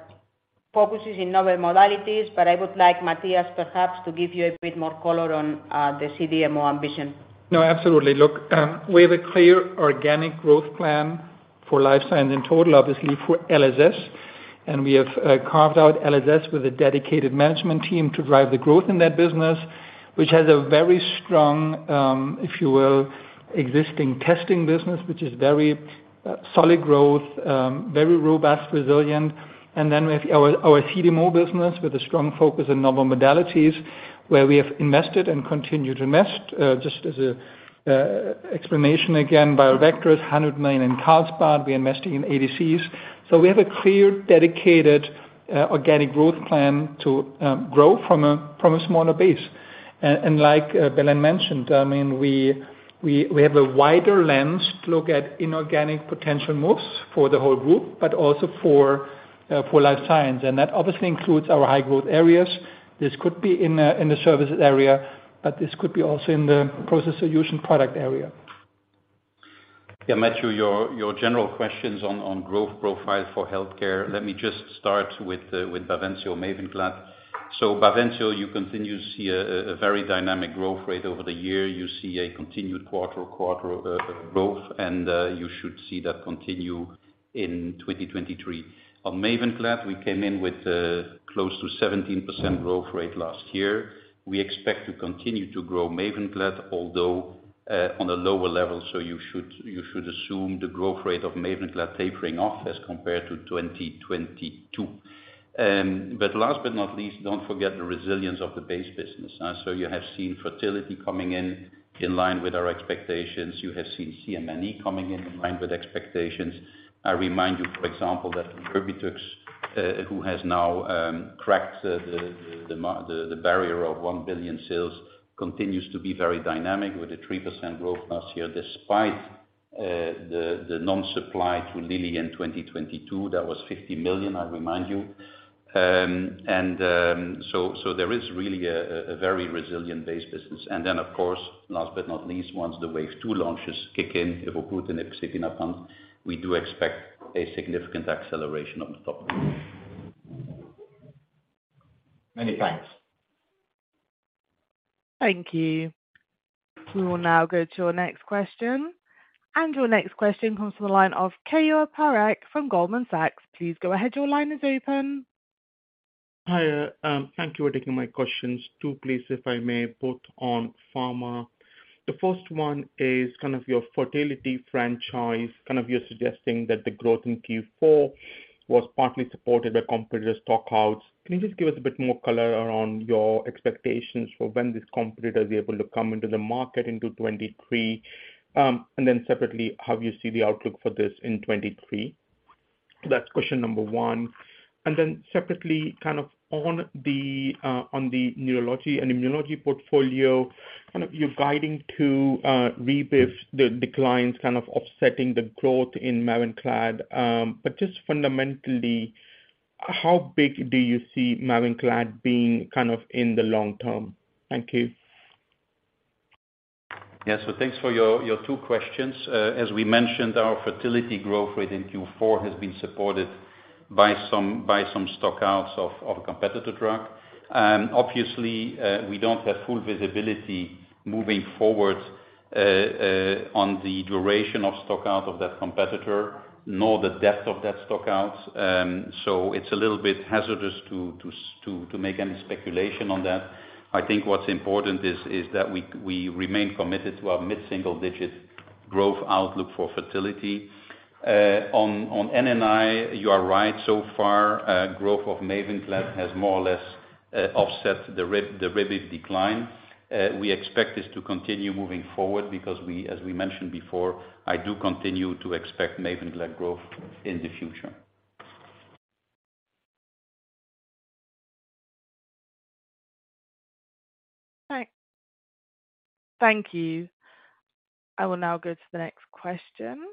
focus is in novel modalities. I would like Matthias perhaps to give you a bit more color on the CDMO ambition.
No, absolutely. Look, we have a clear organic growth plan for Life Science in total, obviously for LSS. We have carved out LSS with a dedicated management team to drive the growth in that business, which has a very strong, if you will, existing testing business, which is very solid growth, very robust, resilient. Then we have our CDMO business with a strong focus on novel modalities, where we have invested and continue to invest. Just as a explanation again, viral vector is 100 million in Carlsbad. We're investing in ADCs. We have a clear, dedicated, organic growth plan to grow from a smaller base. Like, Belén mentioned, I mean, we have a wider lens to look at inorganic potential moves for the whole group, but also for Life Science. That obviously includes our high growth areas. This could be in the services area, but this could be also in the Process Solutions product area.
Yeah, Matthew, your general questions on growth profile for healthcare. Let me just start with Bavencio and Mavenclad. Bavencio, you continue to see a very dynamic growth rate over the year. You see a continued quarter growth and you should see that continue in 2023. On Mavenclad, we came in with close to 17% growth rate last year. We expect to continue to grow Mavenclad, although on a lower level. You should assume the growth rate of Mavenclad tapering off as compared to 2022. Last but not least, don't forget the resilience of the base business. You have seen fertility coming in in line with our expectations. You have seen CM&E coming in in line with expectations. I remind you, for example, that Erbitux, who has now cracked the barrier of 1 billion sales, continues to be very dynamic with a 3% growth last year, despite the non-supply to Lilly in 2022. That was 50 million, I remind you. So there is really a very resilient base business. Then of course, last but not least, once the wave 2 launches kick in, evobrutinib, xevinapant, we do expect a significant acceleration on the top line.
Many thanks.
Thank you. We will now go to our next question. Your next question comes from the line of Keyur Parekh from Goldman Sachs. Please go ahead. Your line is open.
Hi. Thank you for taking my questions. Two please, if I may, both on pharma. The first one is your fertility franchise. You're suggesting that the growth in Q4 was partly supported by competitor stock-outs. Can you just give us a bit more color around your expectations for when this competitor will be able to come into the market into 2023? Then separately, how you see the outlook for this in 2023. That's question number one. Then separately, on the neurology and immunology portfolio, you're guiding to Rebif the declines offsetting the growth in Mavenclad. But just fundamentally, how big do you see Mavenclad being in the long term? Thank you.
Thanks for your two questions. As we mentioned, our fertility growth rate in Q4 has been supported by some stock-outs of a competitor drug. Obviously, we don't have full visibility moving forward on the duration of stock-out of that competitor, nor the depth of that stock-out. It's a little bit hazardous to make any speculation on that. I think what's important is that we remain committed to our mid-single-digit growth outlook for fertility. On NNI, you are right so far. Growth of Mavenclad has more or less offset the Rebif decline. We expect this to continue moving forward because we, as we mentioned before, I do continue to expect Mavenclad growth in the future.
Thank you. I will now go to the next question.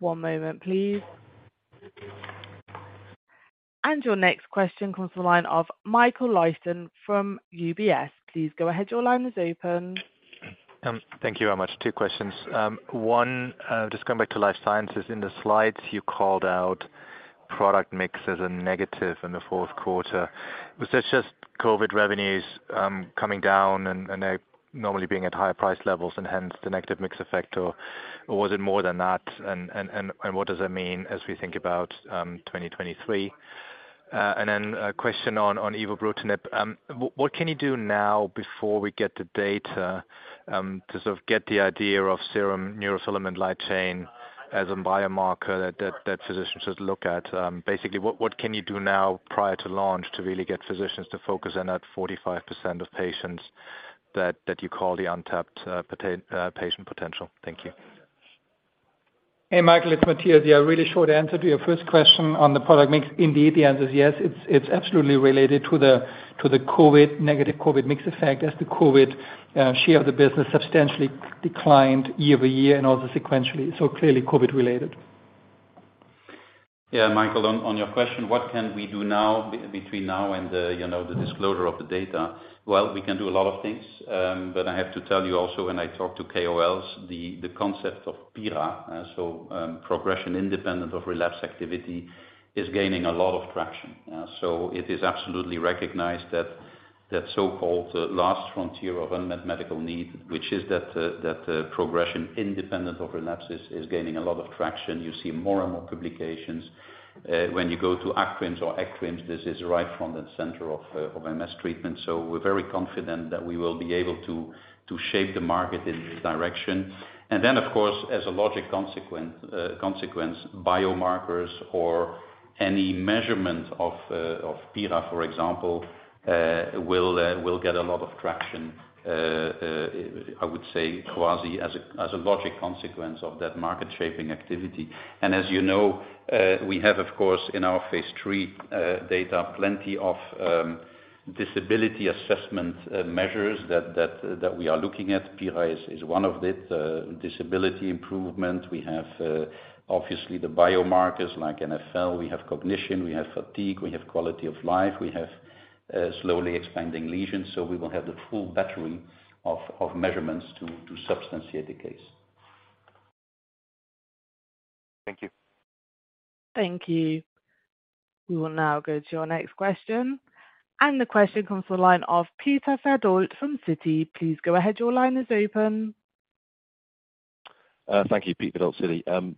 One moment, please. Your next question comes from the line of Michael Leuchten from UBS. Please go ahead. Your line is open.
Thank you very much. Two questions. One, just going back to Life Sciences. In the slides, you called out product mix as a negative in the fourth quarter. Was that just COVID revenues coming down and normally being at higher price levels and hence the negative mix effect, or was it more than that? What does that mean as we think about 2023? Then a question on evobrutinib. What can you do now before we get the data to sort of get the idea of serum neurofilament light chain as a biomarker that physicians should look at? Basically what can you do now prior to launch to really get physicians to focus on that 45% of patients? That you call the untapped patient potential. Thank you.
Hey, Michael, it's Matthias here. Really short answer to your first question on the product mix. Indeed, the answer is yes. It's absolutely related to the COVID, negative COVID mix effect as the COVID share of the business substantially declined year-over-year and also sequentially. Clearly COVID related.
Yeah, Michael, on your question, what can we do now between now and, you know, the disclosure of the data? Well, we can do a lot of things, but I have to tell you also, when I talk to KOLs, the concept of PIRA, so, progression independent of relapse activity, is gaining a lot of traction. It is absolutely recognized that that so-called last frontier of unmet medical need, which is that, progression independent of relapse is gaining a lot of traction. You see more and more publications. When you go to ACTRIMS or ECTRIMS, this is right from the center of MS treatment. We're very confident that we will be able to shape the market in this direction. Of course, as a logic consequence, biomarkers or any measurement of PIRA, for example, will get a lot of traction, I would say quasi as a logic consequence of that market-shaping activity. As you know, we have of course in our phase III data, plenty of disability assessment measures that we are looking at. PIRA is one of it, disability improvement. We have obviously the biomarkers like NFL, we have cognition, we have fatigue, we have quality of life, we have slowly expanding lesions, we will have the full battery of measurements to substantiate the case.
Thank you.
Thank you. We will now go to your next question, the question comes to the line of Peter Verdult from Citi. Please go ahead. Your line is open.
Thank you. Peter Verdult, Citi.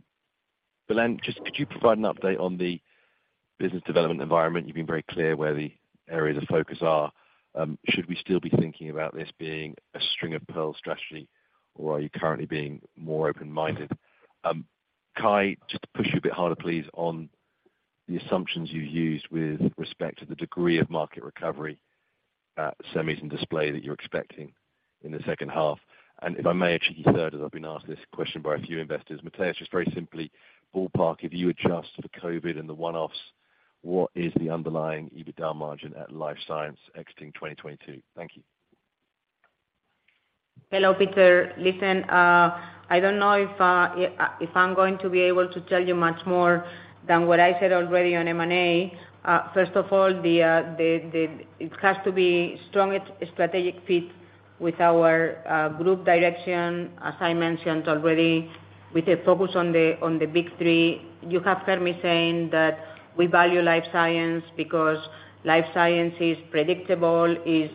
Belén, just could you provide an update on the business development environment? You've been very clear where the areas of focus are. Should we still be thinking about this being a string of pearl strategy, or are you currently being more open-minded? Kai, just to push you a bit harder, please, on the assumptions you've used with respect to the degree of market recovery at semis and display that you're expecting in the second half. If I may, actually you heard that I've been asked this question by a few investors. Matthias, just very simply, ballpark, if you adjust for COVID and the one-offs, what is the underlying EBITDA margin at Life Science exiting 2022? Thank you.
Hello, Peter. Listen, I don't know if I'm going to be able to tell you much more than what I said already on M&A. First of all, It has to be strong strategic fit with our group direction, as I mentioned already, with the focus on the, on the big three. You have heard me saying that we value Life Science because Life Science is predictable, is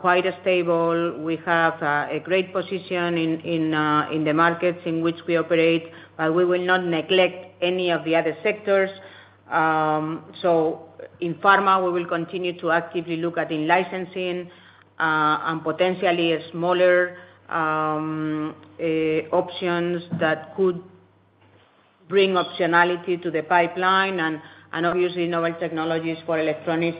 quite stable. We have a great position in the markets in which we operate. We will not neglect any of the other sectors. In pharma, we will continue to actively look at in licensing and potentially smaller options that could bring optionality to the pipeline and obviously novel technologies for electronics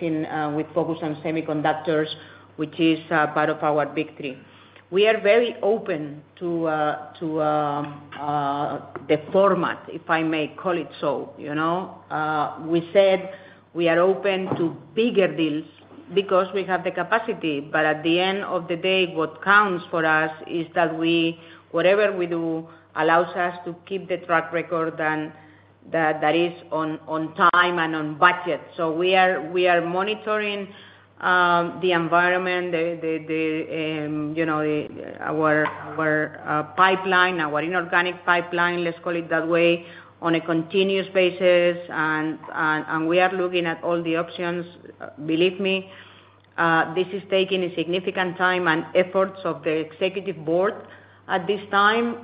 with focus on semiconductors, which is part of our big three. We are very open to the format, if I may call it so, you know. We said we are open to bigger deals because we have the capacity, but at the end of the day, what counts for us is that we, whatever we do, allows us to keep the track record that is on time and on budget. We are monitoring the environment, you know, our pipeline, our inorganic pipeline, let's call it that way, on a continuous basis. We are looking at all the options. Believe me, this is taking a significant time and efforts of the executive board at this time.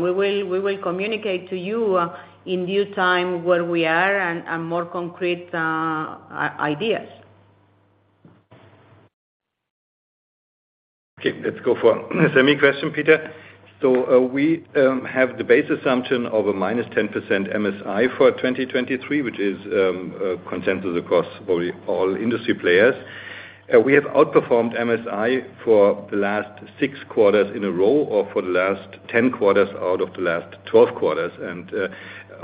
We will communicate to you in due time where we are and more concrete ideas.
Okay, let's go for a semi question, Peter. We have the base assumption of a -10% MSI for 2023, which is consensus across probably all industry players. We have outperformed MSI for the last six quarters in a row, or for the last 10 quarters out of the last 12 quarters.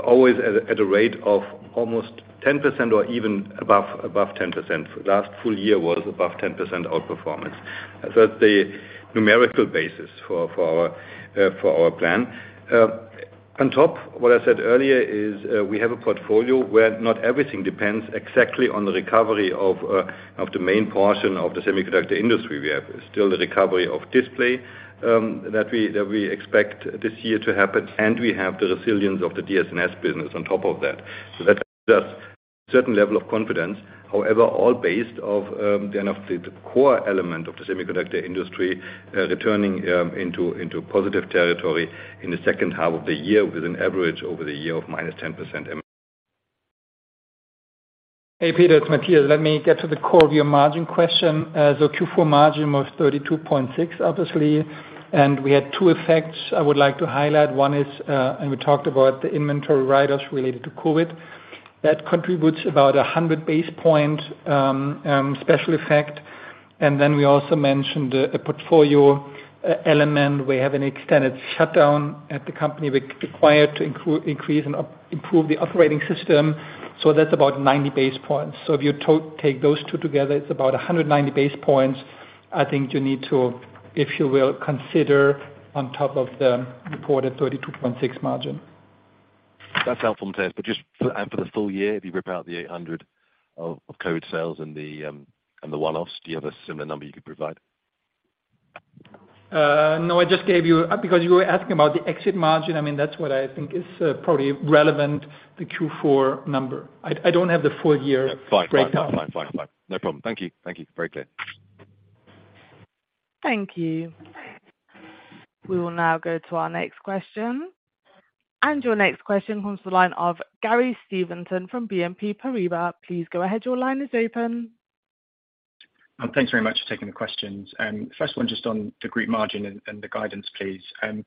Always at a rate of almost 10% or even above 10%. Last full year was above 10% outperformance. That's the numerical basis for our plan. On top, what I said earlier is, we have a portfolio where not everything depends exactly on the recovery of the main portion of the semiconductor industry. We have still the recovery of display, that we expect this year to happen, and we have the resilience of the DSNS business on top of that. That gives us a certain level of confidence. However, all based of, you know, the core element of the semiconductor industry, returning into positive territory in the second half of the year with an average over the year of -10% MSI.
Hey, Peter, it's Matthias. Let me get to the core of your margin question. Q4 margin was 32.6%, obviously. We had two effects I would like to highlight. One is, we talked about the inventory write-offs related to COVID. That contributes about 100 basis points special effect. We also mentioned a portfolio element. We have an extended shutdown at the company we acquired to increase and improve the operating system, that's about 90 basis points. If you take those two together, it's about 190 basis points, I think you need to, if you will, consider on top of the reported 32.6% margin.
That's helpful, thanks. Just for the full year, if you rip out the 800 of COVID sales and the one-offs, do you have a similar number you could provide?
No, I just gave you because you were asking about the exit margin. I mean, that's what I think is probably relevant the Q4 number. I don't have the full year breakdown.
Yeah, fine. That's fine. Fine. No problem. Thank you. Very clear.
Thank you. We will now go to our next question. Your next question comes to the line of Gary Steventon from BNP Paribas. Please go ahead. Your line is open.
Thanks very much for taking the questions. First one just on the group margin and the guidance, please. It'd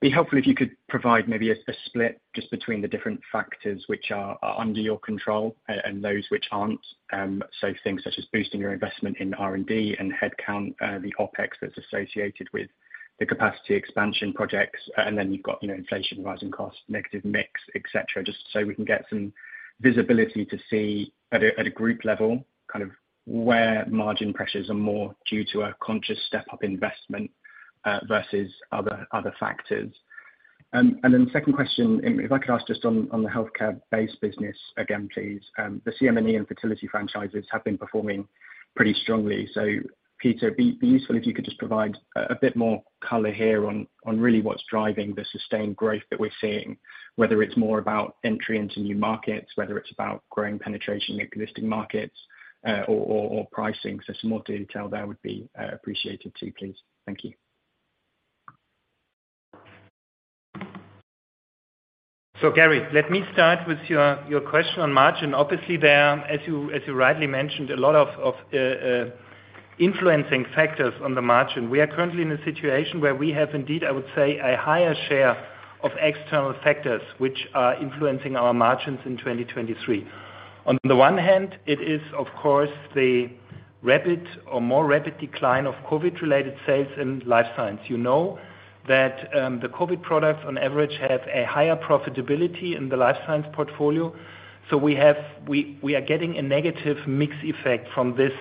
be helpful if you could provide maybe a split just between the different factors which are under your control and those which aren't. So things such as boosting your investment in R&D and headcount, the OpEx that's associated with the capacity expansion projects. Then you've got, you know, inflation, rising costs, negative mix, et cetera, just so we can get some visibility to see at a group level, kind of where margin pressures are more due to a conscious step-up investment versus other factors. Then the second question, and if I could ask just on the Healthcare base business again, please. The CM&E and fertility franchises have been performing pretty strongly. Peter, be useful if you could just provide a bit more color here on really what's driving the sustained growth that we're seeing, whether it's more about entry into new markets, whether it's about growing penetration in existing markets, or pricing. Some more detail there would be appreciated too, please. Thank you.
Gary, let me start with your question on margin. Obviously, there are, as you rightly mentioned, a lot of influencing factors on the margin. We are currently in a situation where we have indeed, I would say, a higher share of external factors which are influencing our margins in 2023. On the one hand, it is of course the rapid or more rapid decline of COVID-related sales in Life Science. You know that the COVID products on average have a higher profitability in the Life Science portfolio. We are getting a negative mix effect from this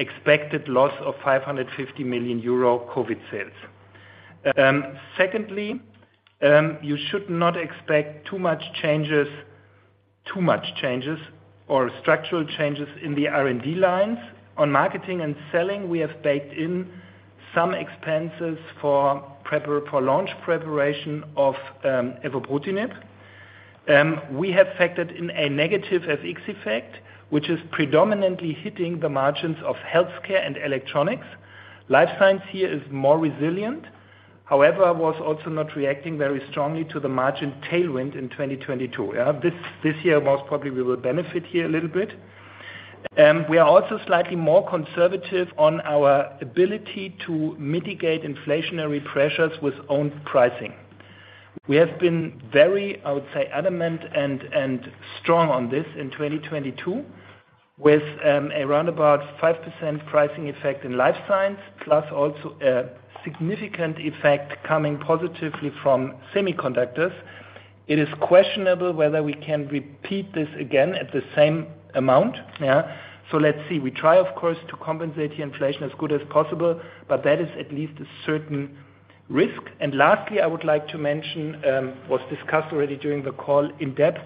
expected loss of 550 million euro COVID sales. Secondly, you should not expect too much changes or structural changes in the R&D lines. On marketing and selling, we have baked in some expenses for launch preparation of evobrutinib. We have factored in a negative FX effect, which is predominantly hitting the margins of healthcare and electronics. Life Science here is more resilient, however, was also not reacting very strongly to the margin tailwind in 2022. This year most probably we will benefit here a little bit. We are also slightly more conservative on our ability to mitigate inflationary pressures with own pricing. We have been very, I would say, adamant and strong on this in 2022 with around about 5% pricing effect in Life Science, plus also a significant effect coming positively from semiconductors. It is questionable whether we can repeat this again at the same amount. Let's see. We try, of course, to compensate the inflation as good as possible, that is at least a certain risk. Lastly, I would like to mention what's discussed already during the call in depth,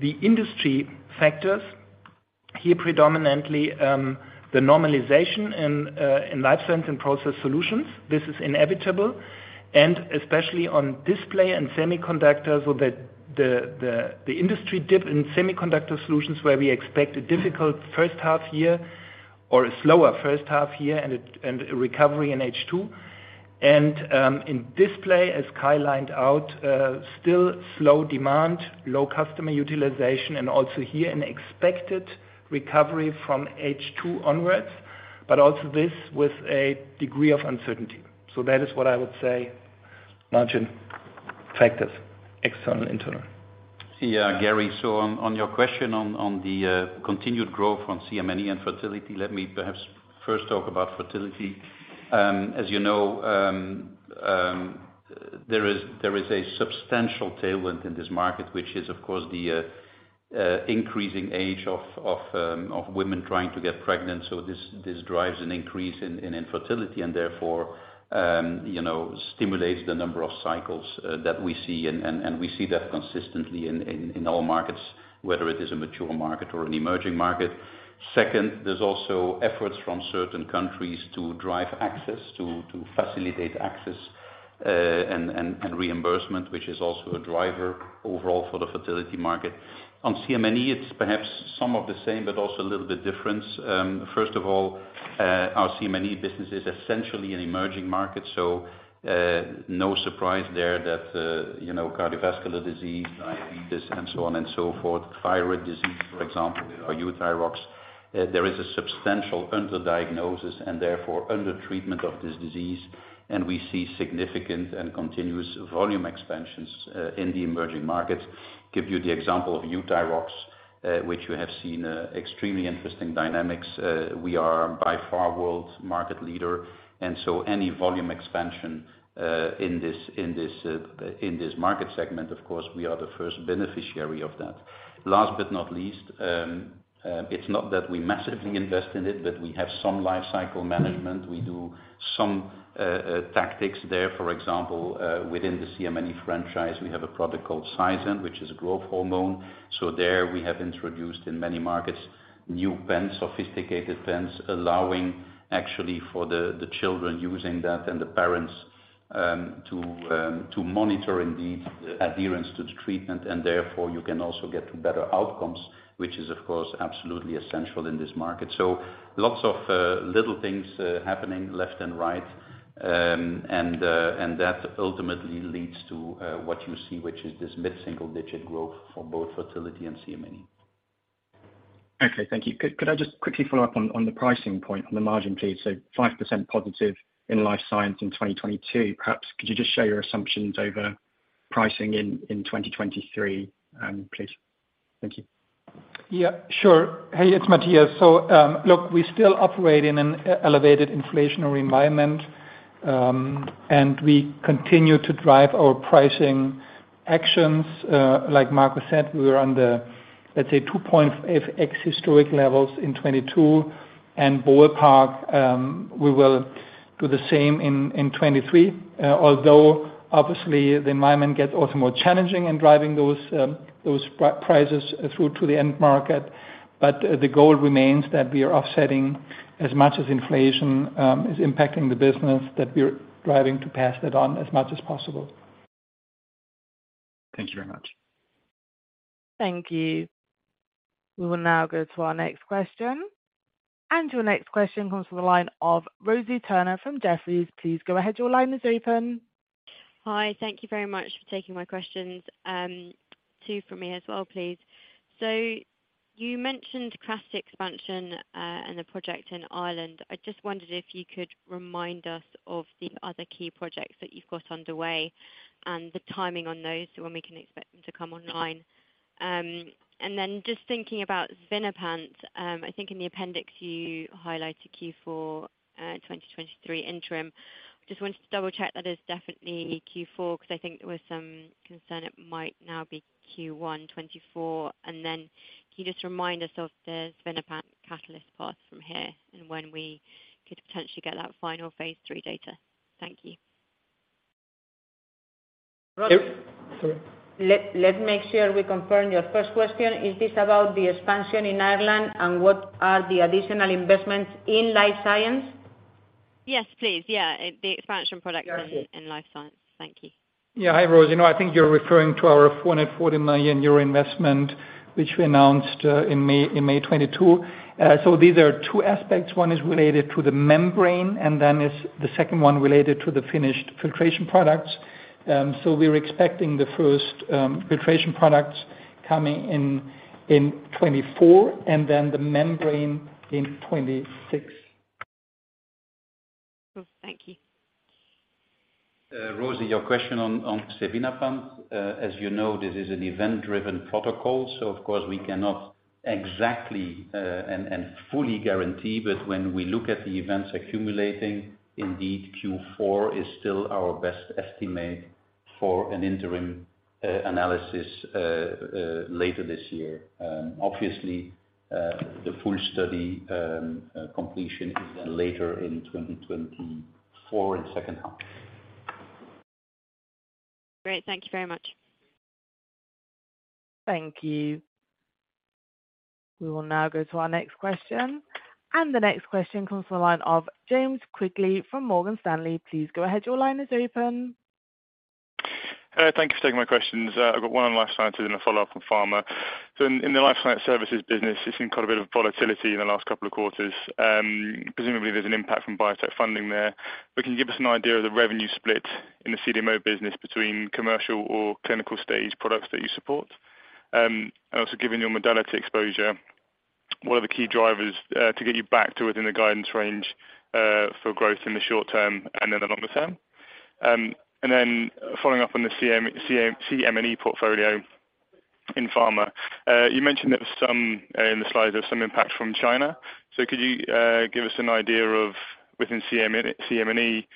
the industry factors here predominantly, the normalization in Life Science and Process Solutions. This is inevitable. Especially on display and semiconductors with the industry dip in Semiconductor Solutions where we expect a difficult first half year or a slower first half year and a recovery in H2. In display, as Kai lined out, still slow demand, low customer utilization, and also here an expected recovery from H2 onwards, also this with a degree of uncertainty. That is what I would say margin factors, external, internal.
Yeah, Gary. On your question on continued growth on CM&E and fertility, let me perhaps first talk about fertility. As you know, there is a substantial tailwind in this market, which is of course the increasing age of women trying to get pregnant. This drives an increase in infertility and therefore, you know, stimulates the number of cycles that we see and we see that consistently in all markets, whether it is a mature market or an emerging market. Second, there's also efforts from certain countries to drive access, to facilitate access and reimbursement, which is also a driver overall for the fertility market. On CM&E, it's perhaps some of the same, but also a little bit different. First of all, our CM&E business is essentially an emerging market. No surprise there that, you know, cardiovascular disease, diabetes and so on and so forth, thyroid disease. For example, our Euthyrox, there is a substantial under-diagnosis and therefore under-treatment of this disease, and we see significant and continuous volume expansions in the emerging markets. Give you the example of Euthyrox, which you have seen extremely interesting dynamics. We are by far world's market leader, any volume expansion in this, uh, in this market segment, of course, we are the first beneficiary of that. Last but not least, it's not that we massively invest in it, but we have some life cycle management. We do some tactics there. For example, within the CM&E franchise, we have a product called Saizen, which is a growth hormone. There, we have introduced in many markets new pens, sophisticated pens, allowing actually for the children using that and the parents to monitor indeed adherence to the treatment. Therefore, you can also get better outcomes, which is of course, absolutely essential in this market. Lots of little things happening left and right. That ultimately leads to what you see, which is this mid-single digit growth for both fertility and CM&E.
Okay, thank you. Could I just quickly follow up on the pricing point on the margin, please? 5%+ in Life Science in 2022. Perhaps could you just share your assumptions over pricing in 2023, please? Thank you.
Yeah, sure. Hey, it's Matthias. Look, we still operate in an elevated inflationary environment, and we continue to drive our pricing actions. Like Marcus said, we were on the, let's say 2.X historic levels in 2022 and ballpark, we will do the same in 2023. Although obviously the environment gets also more challenging in driving those prices through to the end market. The goal remains that we are offsetting as much as inflation is impacting the business, that we're driving to pass that on as much as possible.
Thank you very much.
Thank you. We will now go to our next question. Your next question comes from the line of Rosie Turner from Jefferies. Please go ahead. Your line is open.
Hi. Thank you very much for taking my questions. Two from me as well, please. You mentioned craft expansion and the project in Ireland. I just wondered if you could remind us of the other key projects that you've got underway and the timing on those, so when we can expect them to come online. Then just thinking about xevinapant, I think in the appendix you highlighted Q4 2023 interim. Just wanted to double check that is definitely Q4, 'cause I think there was some concern it might now be Q1 2024. Then can you just remind us of the xevinapant catalyst path from here and when we could potentially get that final phase III data? Thank you.
Let's make sure we confirm your first question. Is this about the expansion in Ireland, and what are the additional investments in Life Science?
Yes, please. Yeah, the expansion products in Life Science. Thank you.
Yeah. Hi, Rosie. You know, I think you're referring to our 4.40 million euro investment, which we announced in May, in May 2022. These are two aspects. One is related to the membrane, and then is the second one related to the finished filtration products. We're expecting the first filtration products coming in 2024 and then the membrane in 2026.
Thank you.
Rosie, your question on xevinapant. As you know, this is an event driven protocol, of course we cannot exactly and fully guarantee. When we look at the events accumulating, indeed Q4 is still our best estimate for an interim analysis later this year. Obviously, the full study completion is then later in 2024 in second half.
Great. Thank you very much.
Thank you. We will now go to our next question. The next question comes to the line of James Quigley from Morgan Stanley. Please go ahead. Your line is open.
Thank you for taking my questions. I've got one on Life Science and a follow-up from pharma. In the Life Science Services business, you've seen quite a bit of volatility in the last couple of quarters. Presumably there's an impact from biotech funding there. Can you give us an idea of the revenue split in the CDMO business between commercial or clinical stage products that you support? Also given your modality exposure, what are the key drivers to get you back to within the guidance range for growth in the short term and in the longer term? Following up on the CM&E portfolio in pharma, you mentioned that some, in the slide, there's some impact from China. Could you give us an idea of within CM&E,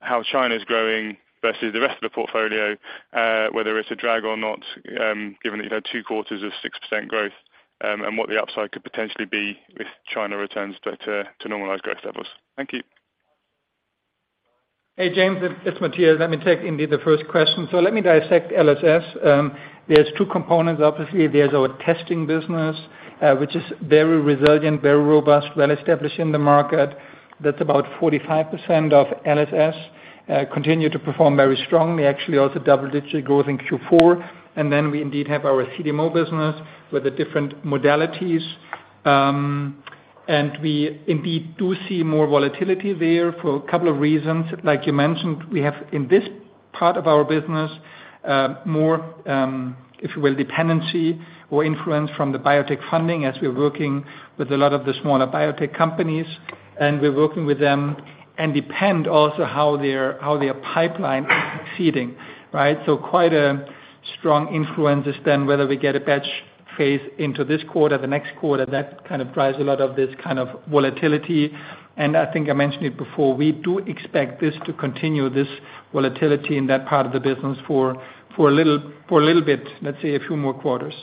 how China's growing versus the rest of the portfolio, whether it's a drag or not, given that you've had two quarters of 6% growth, and what the upside could potentially be if China returns back to normalized growth levels? Thank you.
Hey, James, it's Matthias. Let me take indeed the first question. Let me dissect LSS. There's two components. Obviously, there's our testing business, which is very resilient, very robust, well-established in the market. That's about 45% of LSS, continue to perform very strongly, actually also double-digit growth in Q4. We indeed have our CDMO business with the different modalities. We indeed do see more volatility there for a couple of reasons. Like you mentioned, we have in this part of our business, more, if you will, dependency or influence from the biotech funding as we're working with a lot of the smaller biotech companies, and we're working with them and depend also how their pipeline is succeeding, right? Quite a strong influence is then whether we get a batch phase into this quarter, the next quarter, that kind of drives a lot of this kind of volatility. I think I mentioned it before, we do expect this to continue, this volatility in that part of the business for a little bit, let's say a few more quarters.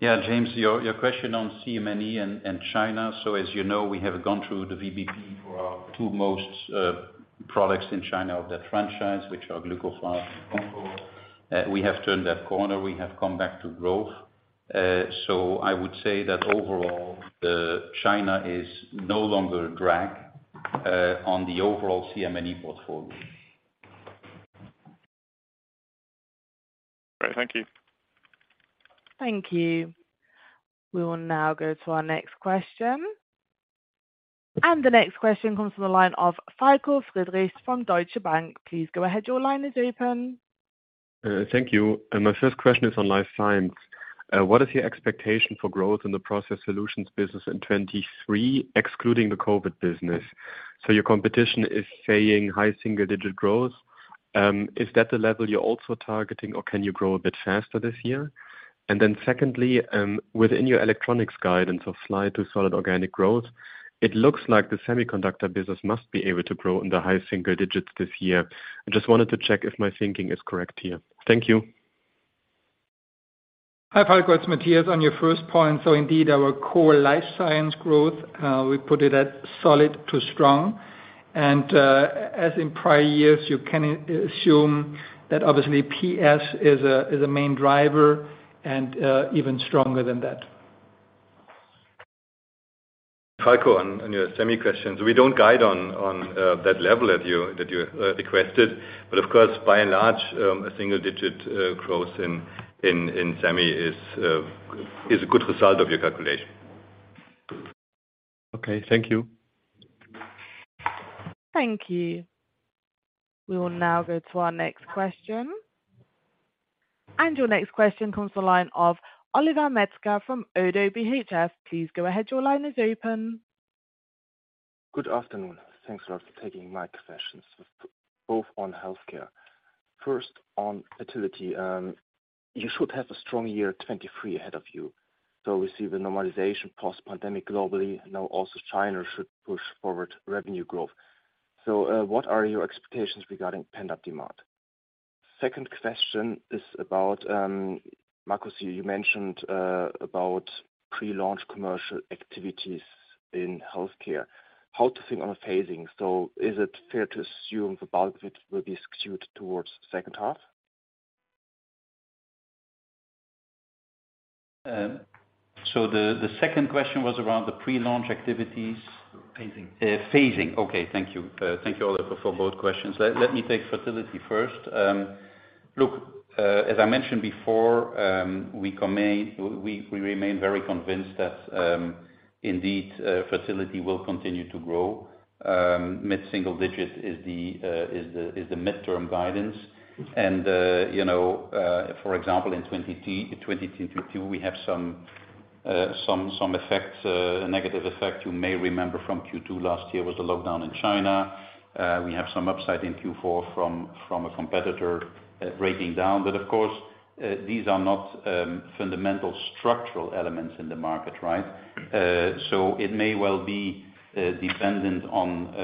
Yeah, James, your question on CM&E and China. As you know, we have gone through the VBP for our two most products in China of that franchise, which are Glucophage and
Glucophage.
We have turned that corner. We have come back to growth. I would say that overall, China is no longer a drag on the overall CM&E portfolio.
Great. Thank you.
Thank you. We will now go to our next question. The next question comes from the line of Falko Friedrichs from Deutsche Bank. Please go ahead. Your line is open.
Thank you. My first question is on Life Science. What is your expectation for growth in the Process Solutions business in 2023, excluding the COVID business? Your competition is saying high single digit growth. Is that the level you're also targeting, or can you grow a bit faster this year? Secondly, within your Electronics guidance of flat to solid organic growth, it looks like the Semiconductor Solutions business must be able to grow in the high single digits this year. I just wanted to check if my thinking is correct here. Thank you.
Hi, Falko. It's Matthias. On your first point, indeed our core Life Science growth, we put it at solid to strong. As in prior years, you can assume that obviously PS is a main driver and even stronger than that.
Falko, on your semi question, we don't guide on that level that you requested. Of course, by and large, a single-digit growth in semi is a good result of your calculation.
Okay. Thank you.
Thank you. We will now go to our next question. Your next question comes to the line of Oliver Metzger from ODDO BHF. Please go ahead. Your line is open.
Good afternoon. Thanks a lot for taking my questions, both on healthcare. First, on fertility, you should have a strong year 2023 ahead of you. We see the normalization post-pandemic globally. Now also China should push forward revenue growth. What are your expectations regarding pent-up demand? Second question is about Marcus, you mentioned about pre-launch commercial activities in healthcare. How to think on a phasing? Is it fair to assume the bulk of it will be skewed towards the second half?
The second question was around the pre-launch activities.
Phasing.
Phasing. Okay. Thank you. Thank you Oliver for both questions. Let me take fertility first. Look, as I mentioned before, we remain very convinced that indeed fertility will continue to grow. Mid-single digit is the midterm guidance. You know, for example, in 2022, we have some effects, a negative effect you may remember from Q2 last year was the lockdown in China. We have some upside in Q4 from a competitor breaking down. Of course, these are not fundamental structural elements in the market, right? It may well be, dependent on,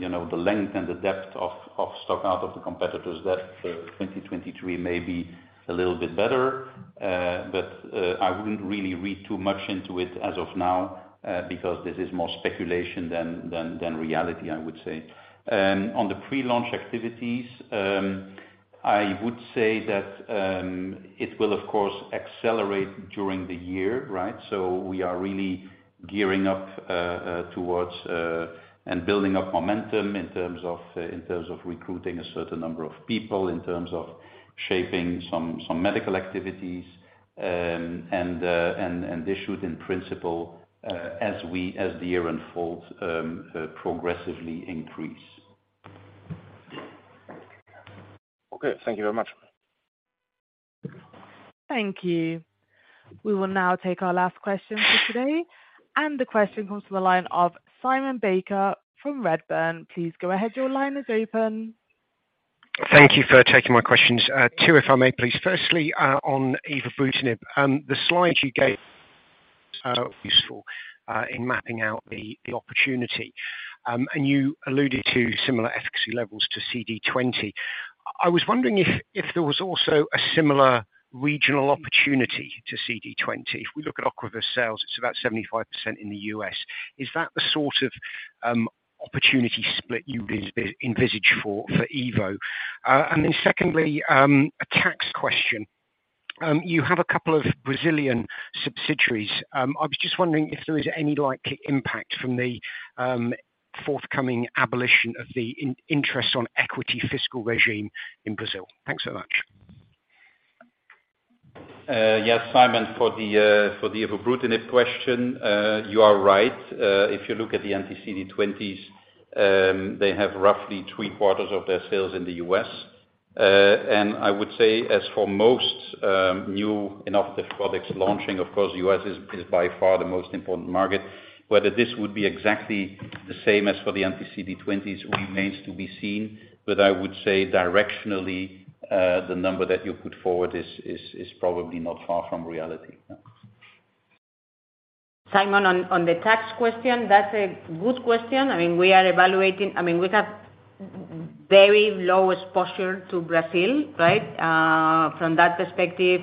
you know, the length and the depth of stock out of the competitors that, 2023 may be a little bit better. I wouldn't really read too much into it as of now, because this is more speculation than reality, I would say. On the pre-launch activities, I would say that, it will of course accelerate during the year, right? We are really gearing up towards and building up momentum in terms of recruiting a certain number of people, in terms of shaping some medical activities, and this should in principle, as the year unfolds, progressively increase.
Okay. Thank you very much.
Thank you. We will now take our last question for today. The question comes from the line of Simon Baker from Redburn. Please go ahead. Your line is open.
Thank you for taking my questions. Two, if I may please. Firstly, on evobrutinib, the slide you gave, useful, in mapping out the opportunity. You alluded to similar efficacy levels to CD20. I was wondering if there was also a similar regional opportunity to CD20. If we look at Ocrevus sales, it's about 75% in the U.S. Is that the sort of opportunity split you envisage for Evo? Secondly, a tax question. You have a couple of Brazilian subsidiaries. I was just wondering if there is any likely impact from the forthcoming abolition of the interest on equity fiscal regime in Brazil. Thanks so much.
Yes, Simon, for the evobrutinib question, you are right. If you look at the anti-CD20s, they have roughly three-quarters of their sales in the U.S. I would say as for most new innovative products launching, of course, U.S. is by far the most important market. Whether this would be exactly the same as for the anti-CD20s remains to be seen. I would say directionally, the number that you put forward is probably not far from reality. Yeah.
Simon, on the tax question, that's a good question. I mean, we are evaluating. I mean, we have very lowest posture to Brazil, right? From that perspective,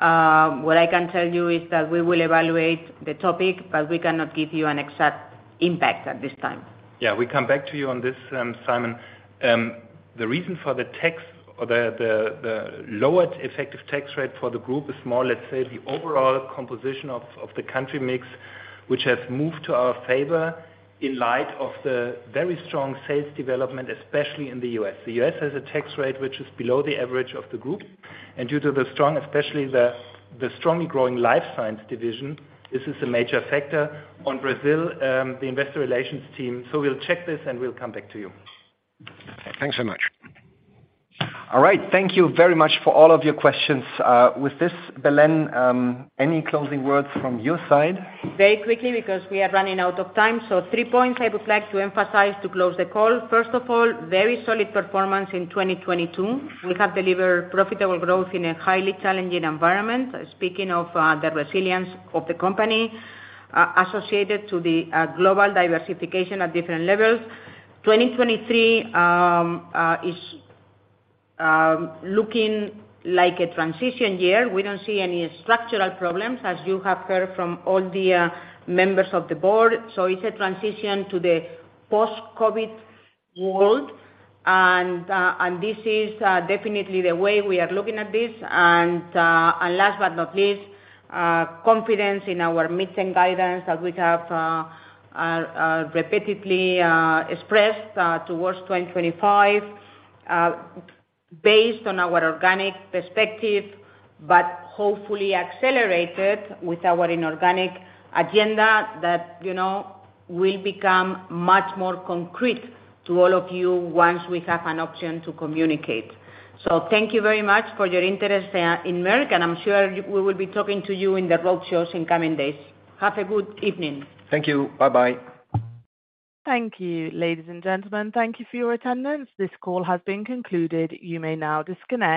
what I can tell you is that we will evaluate the topic, but we cannot give you an exact impact at this time.
Yeah. We come back to you on this, Simon. The reason for the tax or the lower effective tax rate for the group is more, let's say, the overall composition of the country mix, which has moved to our favor in light of the very strong sales development, especially in the U.S. The U.S. has a tax rate which is below the average of the group. Due to the strong, especially the strongly growing Life Science division, this is a major factor. On Brazil, the investor relations team, so we'll check this, and we'll come back to you.
Thanks so much.
All right. Thank you very much for all of your questions. With this, Belén, any closing words from your side?
Very quickly, because we are running out of time. Three points I would like to emphasize to close the call. First of all, very solid performance in 2022. We have delivered profitable growth in a highly challenging environment, speaking of the resilience of the company, associated to the global diversification at different levels. 2023 is looking like a transition year. We don't see any structural problems, as you have heard from all the members of the board. It's a transition to the post-COVID world, and this is definitely the way we are looking at this. Last but not least, confidence in our meeting guidance as we have repeatedly expressed towards 2025 based on our organic perspective, but hopefully accelerated with our inorganic agenda that, you know, will become much more concrete to all of you once we have an option to communicate. Thank you very much for your interest in Merck, and I'm sure we will be talking to you in the roadshows in coming days. Have a good evening.
Thank you. Bye-bye.
Thank you, ladies and gentlemen. Thank you for your attendance. This call has been concluded. You may now disconnect.